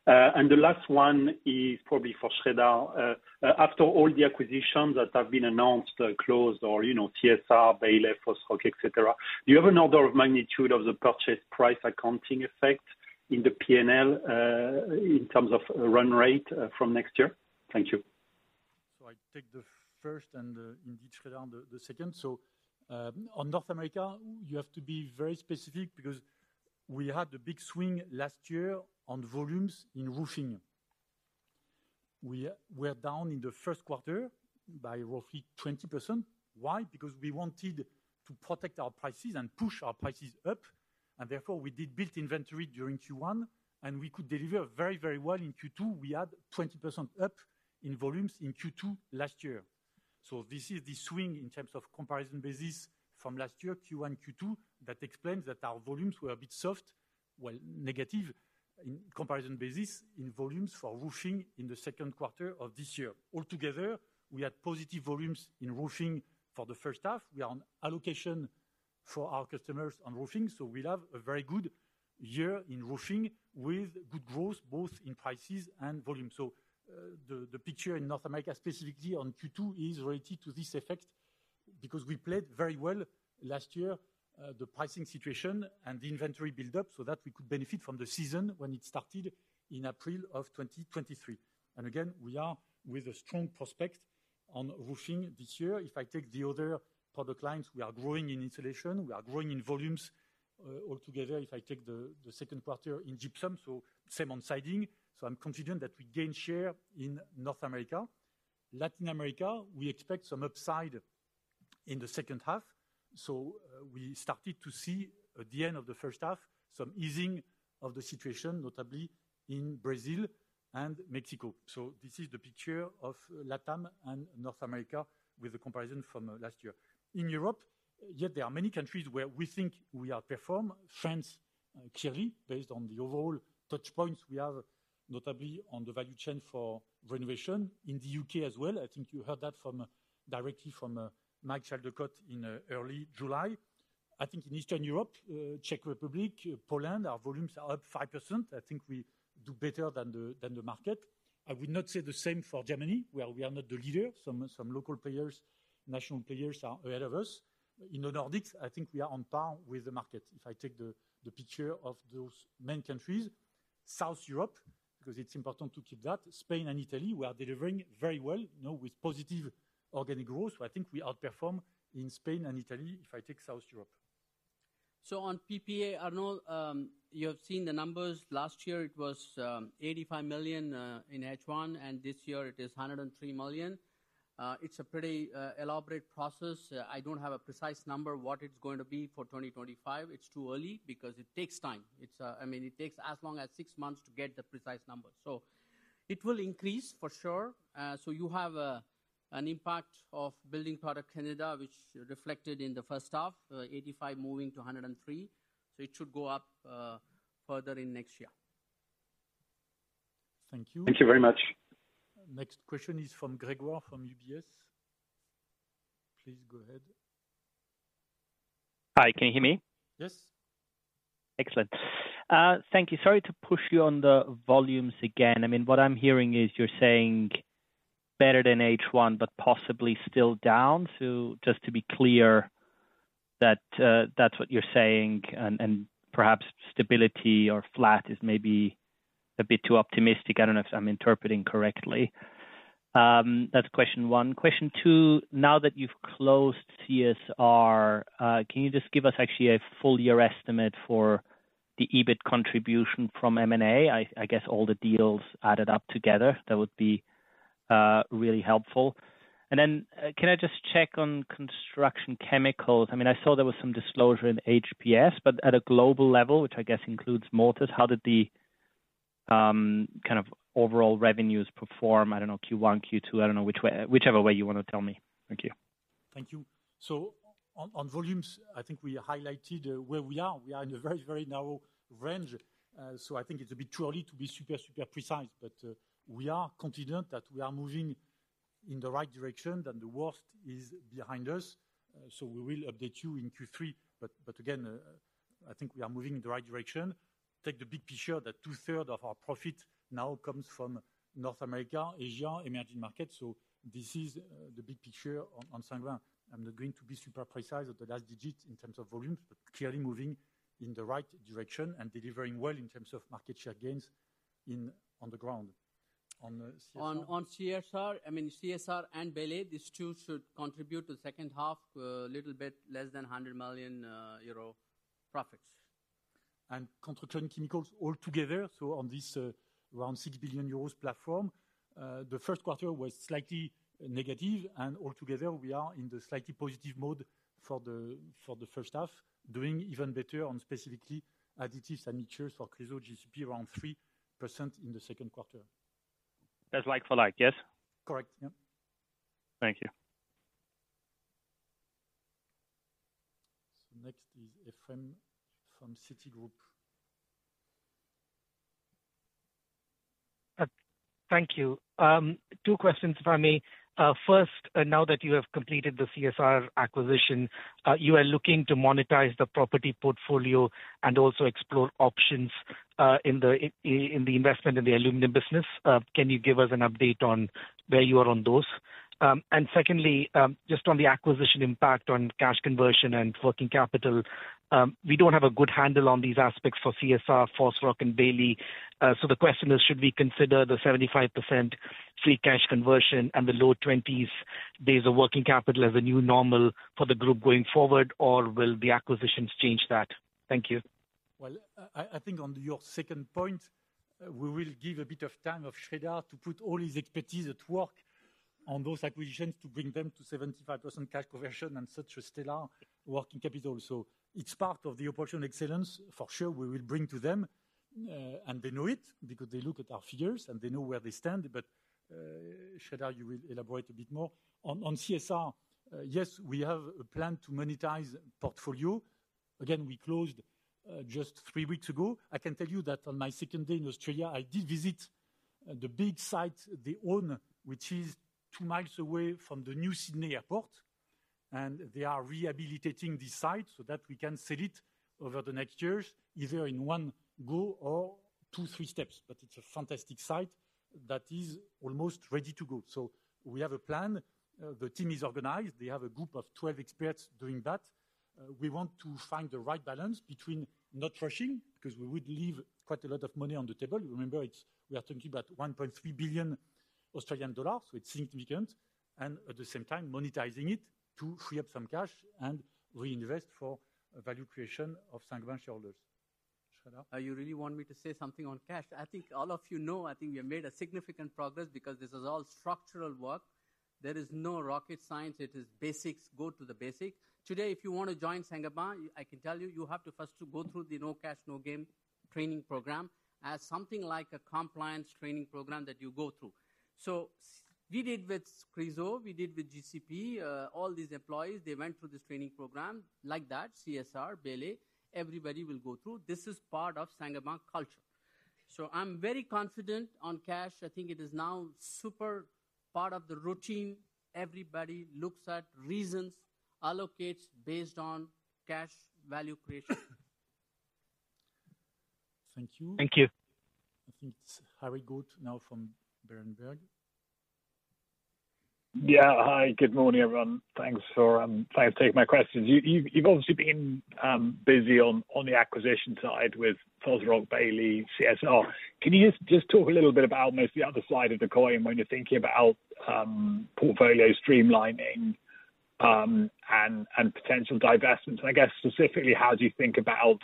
J: The last one is probably for Sreedhar. After all the acquisitions that have been announced, closed, or, you know, CSR, Bailey, Fosroc, et cetera, do you have an order of magnitude of the purchase price accounting effect in the P&L, in terms of run rate, from next year? Thank you.
A: So I take the first and indeed, Sreedhar, the second. So, on North America, you have to be very specific because we had a big swing last year on volumes in roofing. We're down in the first quarter by roughly 20%. Why? Because we wanted to protect our prices and push our prices up, and therefore we did build inventory during Q1, and we could deliver very, very well in Q2. We had 20% up in volumes in Q2 last year. So this is the swing in terms of comparison basis from last year, Q1, Q2. That explains that our volumes were a bit soft, well, negative in comparison basis in volumes for roofing in the second quarter of this year. Altogether, we had positive volumes in roofing for the first half. We are on allocation for our customers on roofing, so we'll have a very good year in roofing, with good growth both in prices and volume. So, the, the picture in North America, specifically on Q2, is related to this effect because we played very well last year, the pricing situation and the inventory buildup so that we could benefit from the season when it started in April of 2023. And again, we are with a strong prospect on roofing this year. If I take the other product lines, we are growing in insulation, we are growing in volumes, altogether, if I take the, the second quarter in gypsum, so same on siding. So I'm confident that we gain share in North America. Latin America, we expect some upside in the second half, so, we started to see at the end of the first half, some easing of the situation, notably in Brazil and Mexico. So this is the picture of Latam and North America with the comparison from, last year. In Europe, yet there are many countries where we think we outperform. France, clearly, based on the overall touch points we have, notably on the value chain for renovation. In the UK as well, I think you heard that from, directly from, Mike Chaldecott in, early July. I think in Eastern Europe, Czech Republic, Poland, our volumes are up 5%. I think we do better than the, than the market. I would not say the same for Germany, where we are not the leader. Some, some local players, national players are ahead of us. In the Nordics, I think we are on par with the market. If I take the picture of those main countries, South Europe, because it's important to keep that, Spain and Italy, we are delivering very well, you know, with positive organic growth. So I think we outperform in Spain and Italy, if I take South Europe.
B: So on PPA, Arnaud, you have seen the numbers. Last year it was 85 million in H1, and this year it is 103 million. It's a pretty elaborate process. I don't have a precise number, what it's going to be for 2025. It's too early because it takes time. It's, I mean, it takes as long as 6 months to get the precise numbers, so it will increase for sure. So you have an impact of Building Products Canada, which reflected in the first half, 85 moving to 103. So it should go up further in next year.
A: ...Thank you.
J: Thank you very much.
A: Next question is from Gregor, from UBS. Please go ahead.
K: Hi, can you hear me?
A: Yes.
K: Excellent. Thank you. Sorry to push you on the volumes again. I mean, what I'm hearing is you're saying better than H1, but possibly still down. So just to be clear that that's what you're saying, and perhaps stability or flat is maybe a bit too optimistic. I don't know if I'm interpreting correctly. That's question one. Question two, now that you've closed CSR, can you just give us actually a full year estimate for the EBIT contribution from M&A? I guess all the deals added up together, that would be really helpful. And then, can I just check on construction chemicals? I mean, I saw there was some disclosure in HPS, but at a global level, which I guess includes mortars, how did the kind of overall revenues perform? I don't know, Q1, Q2, I don't know, which way, whichever way you want to tell me. Thank you.
A: Thank you. So on volumes, I think we highlighted where we are. We are in a very, very narrow range. So I think it's a bit too early to be super, super precise, but we are confident that we are moving in the right direction, that the worst is behind us. So we will update you in Q3. But again, I think we are moving in the right direction. Take the big picture, that two-thirds of our profit now comes from North America, Asia, emerging markets, so this is the big picture on Saint-Gobain. I'm not going to be super precise at the last digit in terms of volumes, but clearly moving in the right direction and delivering well in terms of market share gains in... on the ground. On CSR-
B: On CSR, I mean, CSR and Bailey, these two should contribute to second half, little bit less than 100 million euro profits.
A: Construction Chemicals all together, so on this, around 6 billion euros platform, the first quarter was slightly negative, and altogether we are in the slightly positive mode for the, for the first half, doing even better on specifically additives and mixtures for Chryso GCP, around 3% in the second quarter.
K: That's like for like, yes?
A: Correct. Yeah.
K: Thank you.
A: Next is Ephrem from Citi.
L: Thank you. Two questions, if I may. First, now that you have completed the CSR acquisition, you are looking to monetize the property portfolio and also explore options in the investment in the aluminum business. Can you give us an update on where you are on those? And secondly, just on the acquisition impact on cash conversion and working capital, we don't have a good handle on these aspects for CSR, Fosroc and Bailey. So the question is, should we consider the 75% free cash conversion and the low 20s days of working capital as a new normal for the group going forward, or will the acquisitions change that? Thank you.
A: Well, I think on your second point, we will give a bit of time of Sreedhar to put all his expertise at work on those acquisitions, to bring them to 75% cash conversion and such a stellar working capital. So it's part of the operational excellence, for sure, we will bring to them, and they know it, because they look at our figures and they know where they stand. But, Sreedhar, you will elaborate a bit more. On CSR, yes, we have a plan to monetize portfolio. Again, we closed just three weeks ago. I can tell you that on my second day in Australia, I did visit, the big site they own, which is two miles away from the new Sydney Airport, and they are rehabilitating the site so that we can sell it over the next years, either in one go or two, three steps. But it's a fantastic site that is almost ready to go. So we have a plan. The team is organized. They have a group of 12 experts doing that. We want to find the right balance between not rushing, because we would leave quite a lot of money on the table. Remember, it's, we are talking about 1.3 billion Australian dollars, so it's significant, and at the same time, monetizing it to free up some cash and reinvest for value creation of Saint-Gobain shareholders. Sreedhar?
B: You really want me to say something on cash? I think all of you know, I think we have made a significant progress because this is all structural work. There is no rocket science. It is basics, go to the basic. Today, if you want to join Saint-Gobain, I can tell you, you have to first to go through the No Cash, No Game training program, as something like a compliance training program that you go through. So we did with Chryso, we did with GCP, all these employees, they went through this training program. Like that, CSR, Bailey, everybody will go through. This is part of Saint-Gobain culture. So I'm very confident on cash. I think it is now super part of the routine. Everybody looks at reasons, allocates based on cash value creation.
A: Thank you.
L: Thank you.
A: I think it's Harry Goad now from Berenberg.
M: Yeah. Hi, good morning, everyone. Thanks for taking my questions. You've obviously been busy on the acquisition side with Fosroc, Bailey, CSR. Can you just talk a little bit about maybe the other side of the coin when you're thinking about portfolio streamlining and potential divestments? And I guess specifically, how do you think about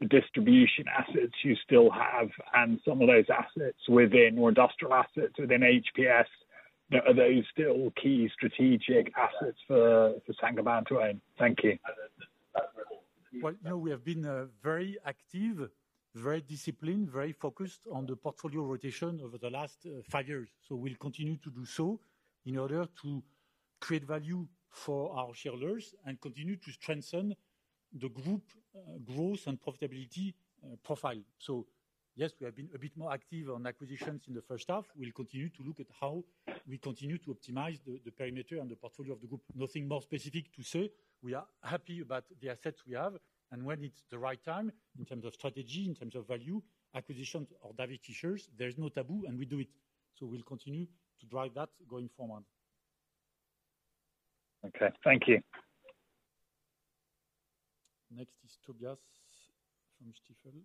M: the distribution assets you still have and some of those assets within, or industrial assets within HPS? Are those still key strategic assets for Saint-Gobain to own? Thank you.
A: Well, you know, we have been very active, very disciplined, very focused on the portfolio rotation over the last five years. So we'll continue to do so in order to create value for our shareholders and continue to strengthen the group growth and profitability profile. So yes, we have been a bit more active on acquisitions in the first half. We'll continue to look at how we continue to optimize the perimeter and the portfolio of the group. Nothing more specific to say. We are happy about the assets we have, and when it's the right time, in terms of strategy, in terms of value, acquisitions or divestitures, there is no taboo, and we do it. So we'll continue to drive that going forward.
M: Okay, thank you. Next is Tobias from Stifel.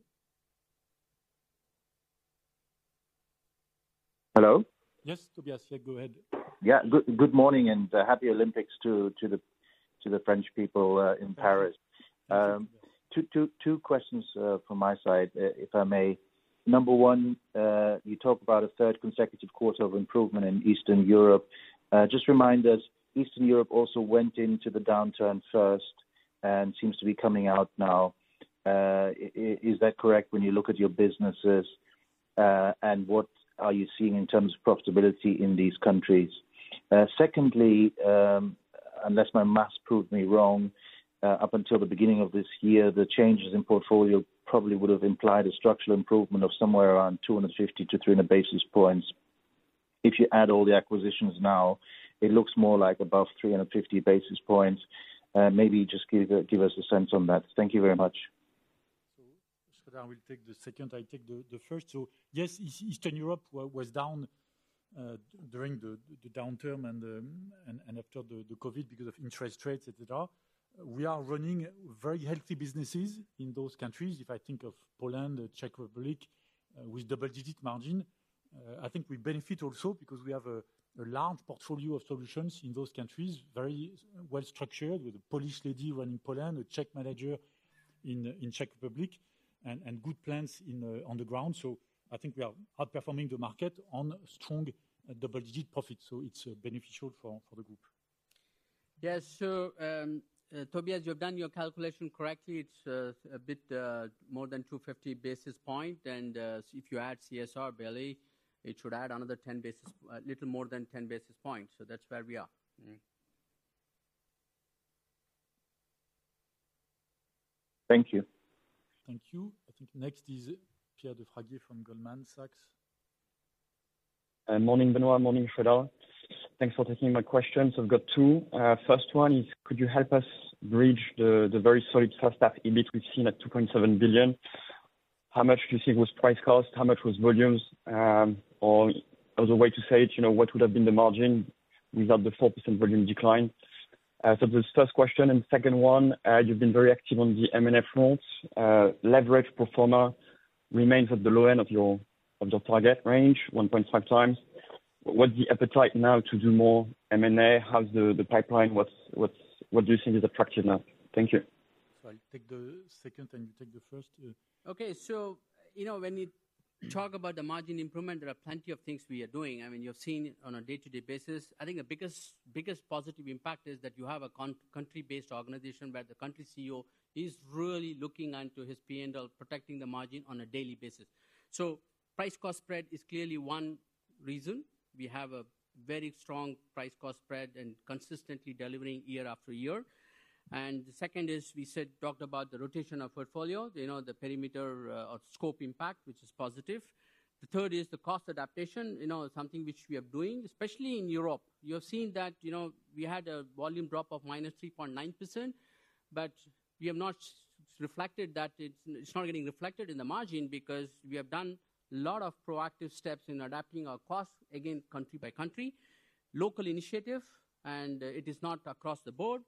N: Hello?
A: Yes, Tobias, yeah, go ahead.
N: Yeah. Good morning, and happy Olympics to the French people in Paris.
A: Thank you.
N: Two questions from my side, if I may. Number one, you talk about a third consecutive quarter of improvement in Eastern Europe. Just remind us, Eastern Europe also went into the downturn first and seems to be coming out now. Is that correct when you look at your businesses, and what are you seeing in terms of profitability in these countries? Secondly, unless my math proved me wrong, up until the beginning of this year, the changes in portfolio probably would have implied a structural improvement of somewhere around 250-300 basis points. If you add all the acquisitions now, it looks more like above 350 basis points. Maybe just give us a sense on that. Thank you very much.
A: So, Sreedhar, I will take the second. I take the first. So yes, Eastern Europe was down during the downturn and after the COVID because of interest rates, etc. We are running very healthy businesses in those countries. If I think of Poland, the Czech Republic, with double-digit margin. I think we benefit also because we have a large portfolio of solutions in those countries. Very well structured, with a Polish lady running Poland, a Czech manager in Czech Republic, and good plans on the ground. So I think we are outperforming the market on strong double-digit profit, so it's beneficial for the group.
B: Yes, so, Tobias, you've done your calculation correctly. It's a bit more than 250 basis points, and if you add CSR Bailey, it should add another 10 basis points, a little more than 10 basis points. So that's where we are. Mm-hmm.
N: Thank you.
A: Thank you. I think next is Pierre de Fraguier from Goldman Sachs.
O: Morning, Benoit. Morning, Sreedhar. Thanks for taking my questions. I've got two. First one is, could you help us bridge the very solid first half EBIT we've seen at 2.7 billion? How much do you think was price cost? How much was volumes? Or other way to say it, you know, what would have been the margin without the 4% volume decline? So that's the first question, and second one, you've been very active on the M&A front. Leverage pro forma remains at the low end of your target range, 1.5 times. What's the appetite now to do more M&A? How's the pipeline? What do you see is attractive now? Thank you.
A: I'll take the second, and you take the first.
B: Okay, so, you know, when you talk about the margin improvement, there are plenty of things we are doing. I mean, you're seeing on a day-to-day basis. I think the biggest, biggest positive impact is that you have a country-based organization, where the country CEO is really looking into his P&L, protecting the margin on a daily basis. So price-cost spread is clearly one reason. We have a very strong price-cost spread and consistently delivering year after year. And the second is, we said, talked about the rotation of portfolio, you know, the perimeter or scope impact, which is positive. The third is the cost adaptation, you know, something which we are doing, especially in Europe. You have seen that, you know, we had a volume drop of -3.9%, but we have not reflected that it's... It's not getting reflected in the margin because we have done a lot of proactive steps in adapting our costs, again, country by country, local initiative, and it is not across the board.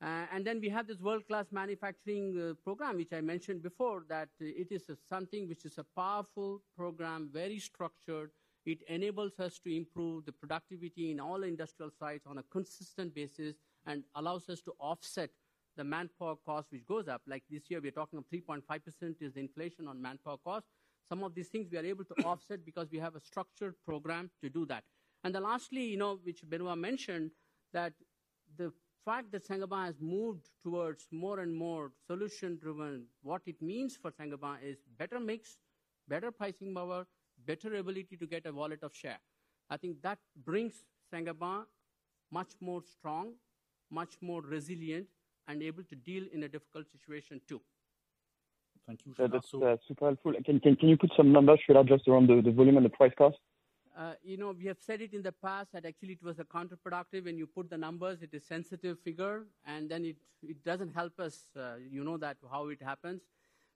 B: And then we have this World Class Manufacturing program, which I mentioned before, that it is something which is a powerful program, very structured. It enables us to improve the productivity in all industrial sites on a consistent basis and allows us to offset the manpower cost, which goes up. Like this year, we're talking of 3.5% is inflation on manpower cost. Some of these things we are able to offset because we have a structured program to do that. And then lastly, you know, which Benoit mentioned, that the fact that Saint-Gobain has moved towards more and more solution-driven. What it means for Saint-Gobain is better mix, better pricing power, better ability to get a wallet of share. I think that brings Saint-Gobain much more strong, much more resilient, and able to deal in a difficult situation, too.
A: Thank you.
O: That's super helpful. Can you put some numbers, Sreedhar N, just around the volume and the price cost?
B: You know, we have said it in the past that actually it was a counterproductive. When you put the numbers, it is sensitive figure, and then it doesn't help us, you know that, how it happens.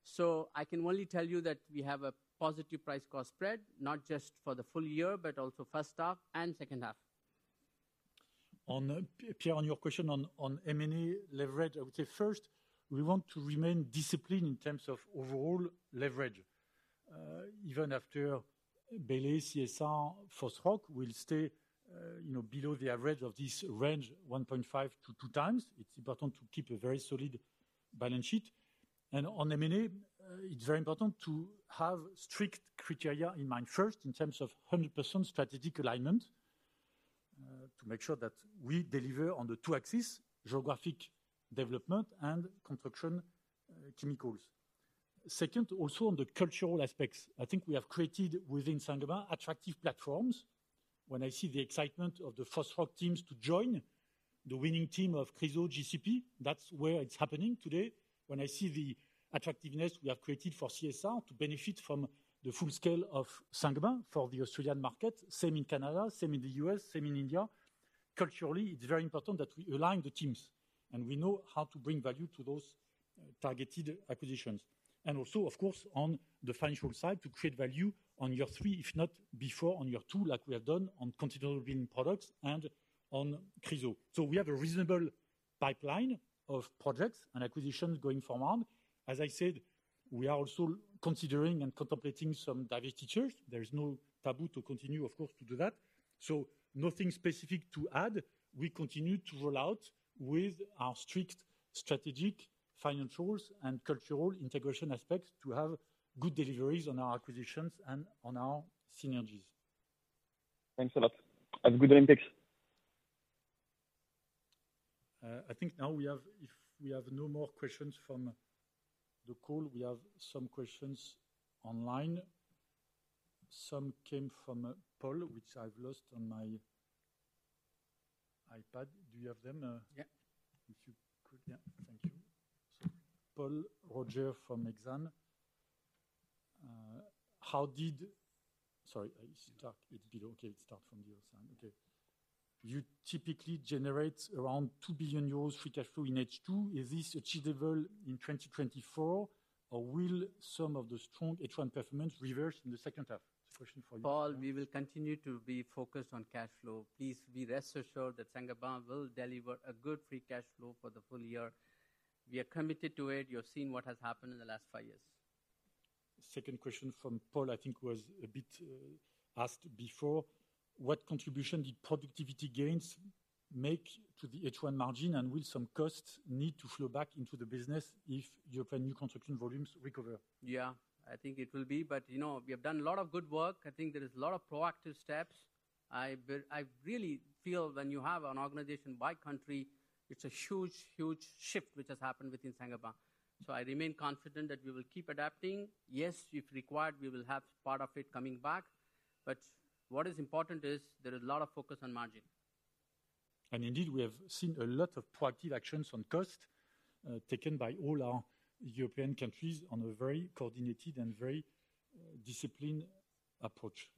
B: So I can only tell you that we have a positive price-cost spread, not just for the full year, but also first half and second half.
A: On Pierre, on your question on M&A leverage, I would say first, we want to remain disciplined in terms of overall leverage. Even after Bailey, CSR, Fosroc will stay, you know, below the average of this range, 1.5-2 times. It's important to keep a very solid balance sheet. On M&A, it's very important to have strict criteria in mind first, in terms of 100% strategic alignment, to make sure that we deliver on the two axis, geographic development and construction chemicals. Second, also on the cultural aspects, I think we have created within Saint-Gobain attractive platforms. When I see the excitement of the Fosroc teams to join the winning team of Chryso GCP, that's where it's happening today. When I see the attractiveness we have created for CSR to benefit from the full scale of Saint-Gobain for the Australian market, same in Canada, same in the US, same in India. Culturally, it's very important that we align the teams, and we know how to bring value to those targeted acquisitions. And also, of course, on the financial side, to create value on year three, if not before, on year two, like we have done on Continental Green Products and on Chryso. So we have a reasonable pipeline of projects and acquisitions going forward. As I said, we are also considering and contemplating some divestitures. There is no taboo to continue, of course, to do that. So nothing specific to add. We continue to roll out with our strict strategic, financials, and cultural integration aspects to have good deliveries on our acquisitions and on our synergies.
O: Thanks a lot. Have a good Olympics!
A: I think now we have, if we have no more questions from the call, we have some questions online. Some came from Paul, which I've lost on my iPad. Do you have them?
B: Yeah.
A: If you could?
B: Yeah.
A: Thank you. So Paul Roger from Exane. Okay, let's start from the other side. Okay. You typically generate around 2 billion euros free cash flow in H2. Is this achievable in 2024, or will some of the strong H1 performance reverse in the second half? It's a question for you.
B: Paul, we will continue to be focused on cash flow. Please be rest assured that Saint-Gobain will deliver a good free cash flow for the full year. We are committed to it. You have seen what has happened in the last five years.
A: Second question from Paul, I think, was a bit asked before: What contribution did productivity gains make to the H1 margin, and will some costs need to flow back into the business if European new construction volumes recover?
B: Yeah, I think it will be, but, you know, we have done a lot of good work. I think there is a lot of proactive steps. I really feel when you have an organization by country, it's a huge, huge shift which has happened within Saint-Gobain. So I remain confident that we will keep adapting. Yes, if required, we will have part of it coming back, but what is important is there is a lot of focus on margin.
A: Indeed, we have seen a lot of proactive actions on cost taken by all our European countries on a very coordinated and very disciplined approach.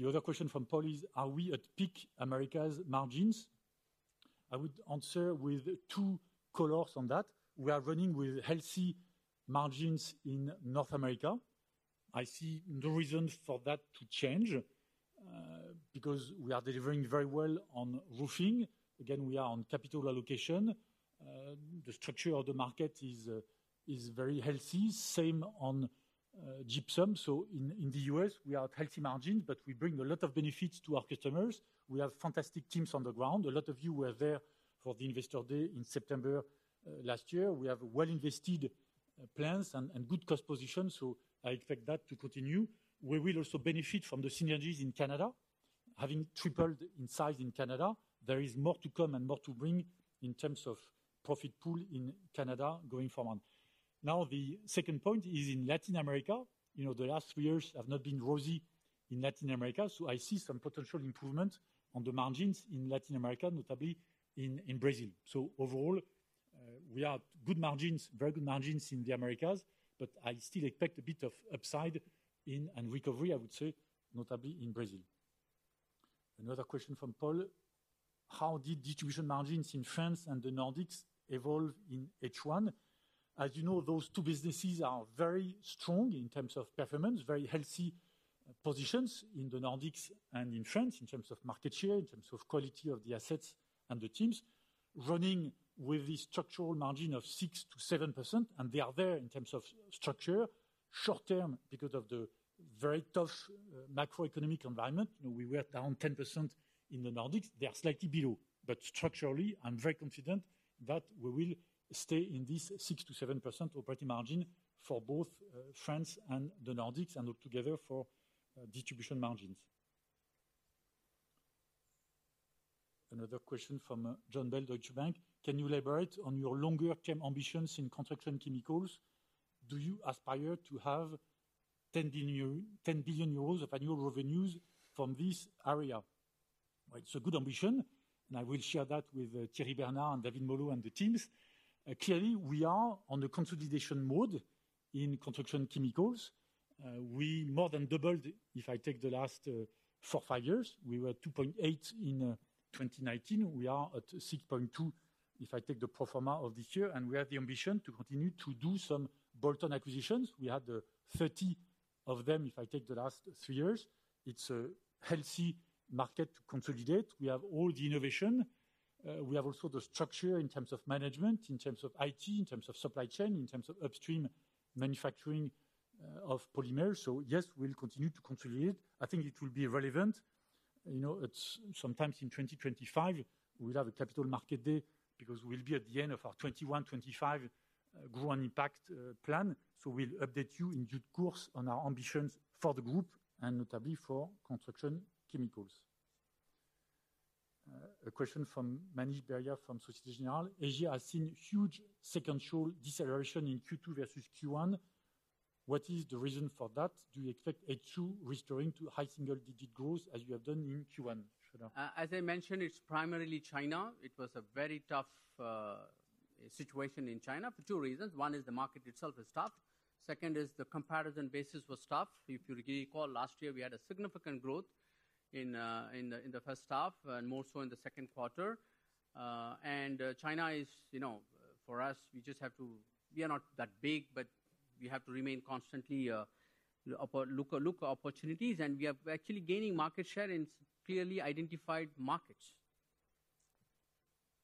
A: The other question from Paul is: Are we at peak Americas margins? I would answer with two colors on that. We are running with healthy margins in North America. I see no reason for that to change because we are delivering very well on roofing. Again, we are on capital allocation. The structure of the market is very healthy. Same on gypsum. So in the U.S., we are at healthy margins, but we bring a lot of benefits to our customers. We have fantastic teams on the ground. A lot of you were there for the Investor Day in September last year. We have well-invested plans and, and good cost position, so I expect that to continue. We will also benefit from the synergies in Canada. Having tripled in size in Canada, there is more to come and more to bring in terms of profit pool in Canada going forward. Now, the second point is in Latin America. You know, the last three years have not been rosy in Latin America, so I see some potential improvement on the margins in Latin America, notably in, in Brazil. So overall, we are good margins, very good margins in the Americas, but I still expect a bit of upside in, and recovery, I would say, notably in Brazil. Another question from Paul: How did distribution margins in France and the Nordics evolve in H1? As you know, those two businesses are very strong in terms of performance, very healthy positions in the Nordics and in France, in terms of market share, in terms of quality of the assets and the teams, running with the structural margin of 6%-7%, and they are there in terms of structure. Short term, because of the very tough macroeconomic environment, you know, we were down 10% in the Nordics. They are slightly below, but structurally, I'm very confident that we will stay in this 6%-7% operating margin for both, France and the Nordics, and altogether for, distribution margins. Another question from Jon Bell, Deutsche Bank: Can you elaborate on your longer-term ambitions in Construction Chemicals? Do you aspire to have 10 billion, 10 billion euros of annual revenues from this area? It's a good ambition, and I will share that with Thierry Bernard and David Molho and the teams. Clearly, we are on the consolidation mode in Construction Chemicals. We more than doubled, if I take the last 4, 5 years. We were 2.8 in 2019. We are at 6.2, if I take the pro forma of this year, and we have the ambition to continue to do some bolt-on acquisitions. We had 30 of them, if I take the last 3 years. It's a healthy market to consolidate. We have all the innovation. We have also the structure in terms of management, in terms of IT, in terms of supply chain, in terms of upstream manufacturing of polymers. So yes, we'll continue to consolidate. I think it will be relevant. You know, it's sometimes in 2025, we'll have a Capital Market Day because we'll be at the end of our 2021-2025 Grow and Impact plan. So we'll update you in due course on our ambitions for the group and notably for Construction Chemicals. A question from Manish Beria from Société Générale. Asia has seen huge sequential deceleration in Q2 versus Q1. What is the reason for that? Do you expect H2 returning to high single-digit growth as you have done in Q1? Sreedhar?
B: As I mentioned, it's primarily China. It was a very tough situation in China for two reasons. One is the market itself has stopped. Second is the comparison basis was stopped. If you recall, last year we had a significant growth in the first half and more so in the second quarter. And China is, you know, for us, we just have to. We are not that big, but we have to remain constantly looking for opportunities, and we are actually gaining market share in clearly identified markets.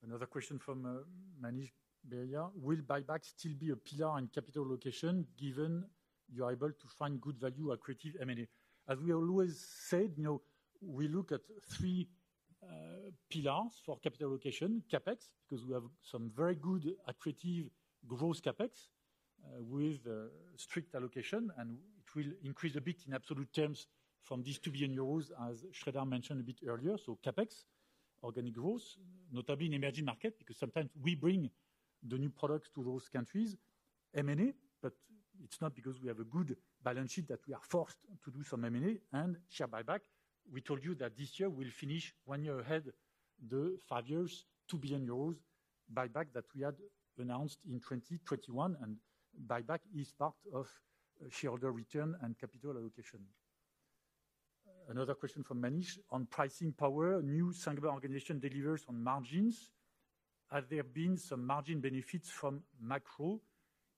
A: Another question from Manish Beria. Will buyback still be a pillar in capital allocation, given you are able to find good value accretive M&A? As we always said, you know, we look at three pillars for capital allocation: CapEx, because we have some very good accretive growth CapEx with strict allocation, and it will increase a bit in absolute terms from this 2 billion euros, as Sreedhar N. mentioned a bit earlier. So CapEx, organic growth, notably in emerging market, because sometimes we bring the new products to those countries. M&A, but it's not because we have a good balance sheet that we are forced to do some M&A and share buyback. We told you that this year we'll finish one year ahead, the five years, 2 billion euros buyback that we had announced in 2021, and buyback is part of shareholder return and capital allocation. Another question from Manish. On pricing power, new Saint-Gobain organization delivers on margins. Have there been some margin benefits from macro?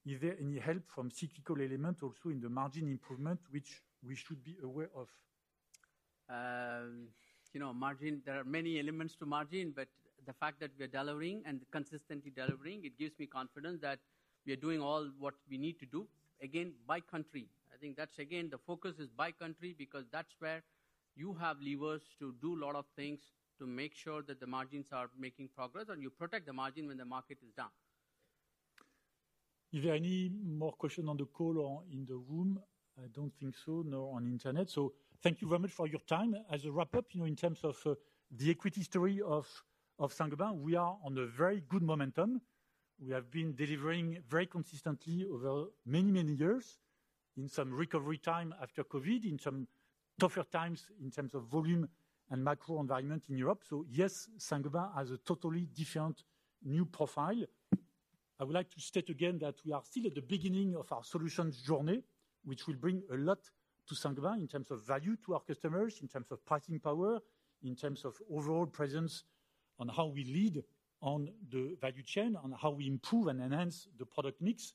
A: Is there any help from cyclical element also in the margin improvement, which we should be aware of?
B: You know, margin, there are many elements to margin, but the fact that we are delivering and consistently delivering, it gives me confidence that we are doing all what we need to do. Again, by country. I think that's again, the focus is by country, because that's where you have levers to do a lot of things to make sure that the margins are making progress, and you protect the margin when the market is down.
A: Is there any more question on the call or in the room? I don't think so, nor on internet. So thank you very much for your time. As a wrap-up, you know, in terms of, the equity story of, of Saint-Gobain, we are on a very good momentum. We have been delivering very consistently over many, many years in some recovery time after COVID, in some tougher times in terms of volume and macro environment in Europe. So yes, Saint-Gobain has a totally different new profile. I would like to state again that we are still at the beginning of our solutions journey, which will bring a lot to Saint-Gobain in terms of value to our customers, in terms of pricing power, in terms of overall presence on how we lead on the value chain, on how we improve and enhance the product mix.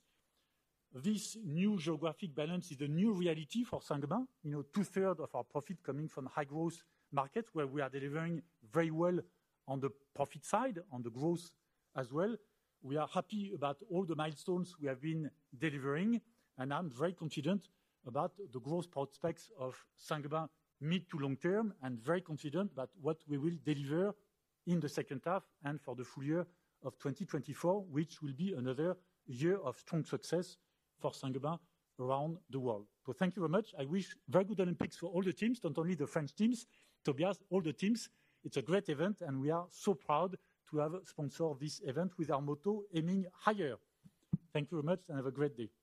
A: This new geographic balance is the new reality for Saint-Gobain. You know, two-thirds of our profit coming from high-growth markets, where we are delivering very well on the profit side, on the growth as well. We are happy about all the milestones we have been delivering, and I'm very confident about the growth prospects of Saint-Gobain mid- to long-term, and very confident about what we will deliver in the second half and for the full year of 2024, which will be another year of strong success for Saint-Gobain around the world. So thank you very much. I wish very good Olympics for all the teams, not only the French teams, Tobias, all the teams. It's a great event, and we are so proud to have sponsored this event with our motto, "Aiming Higher." Thank you very much, and have a great day.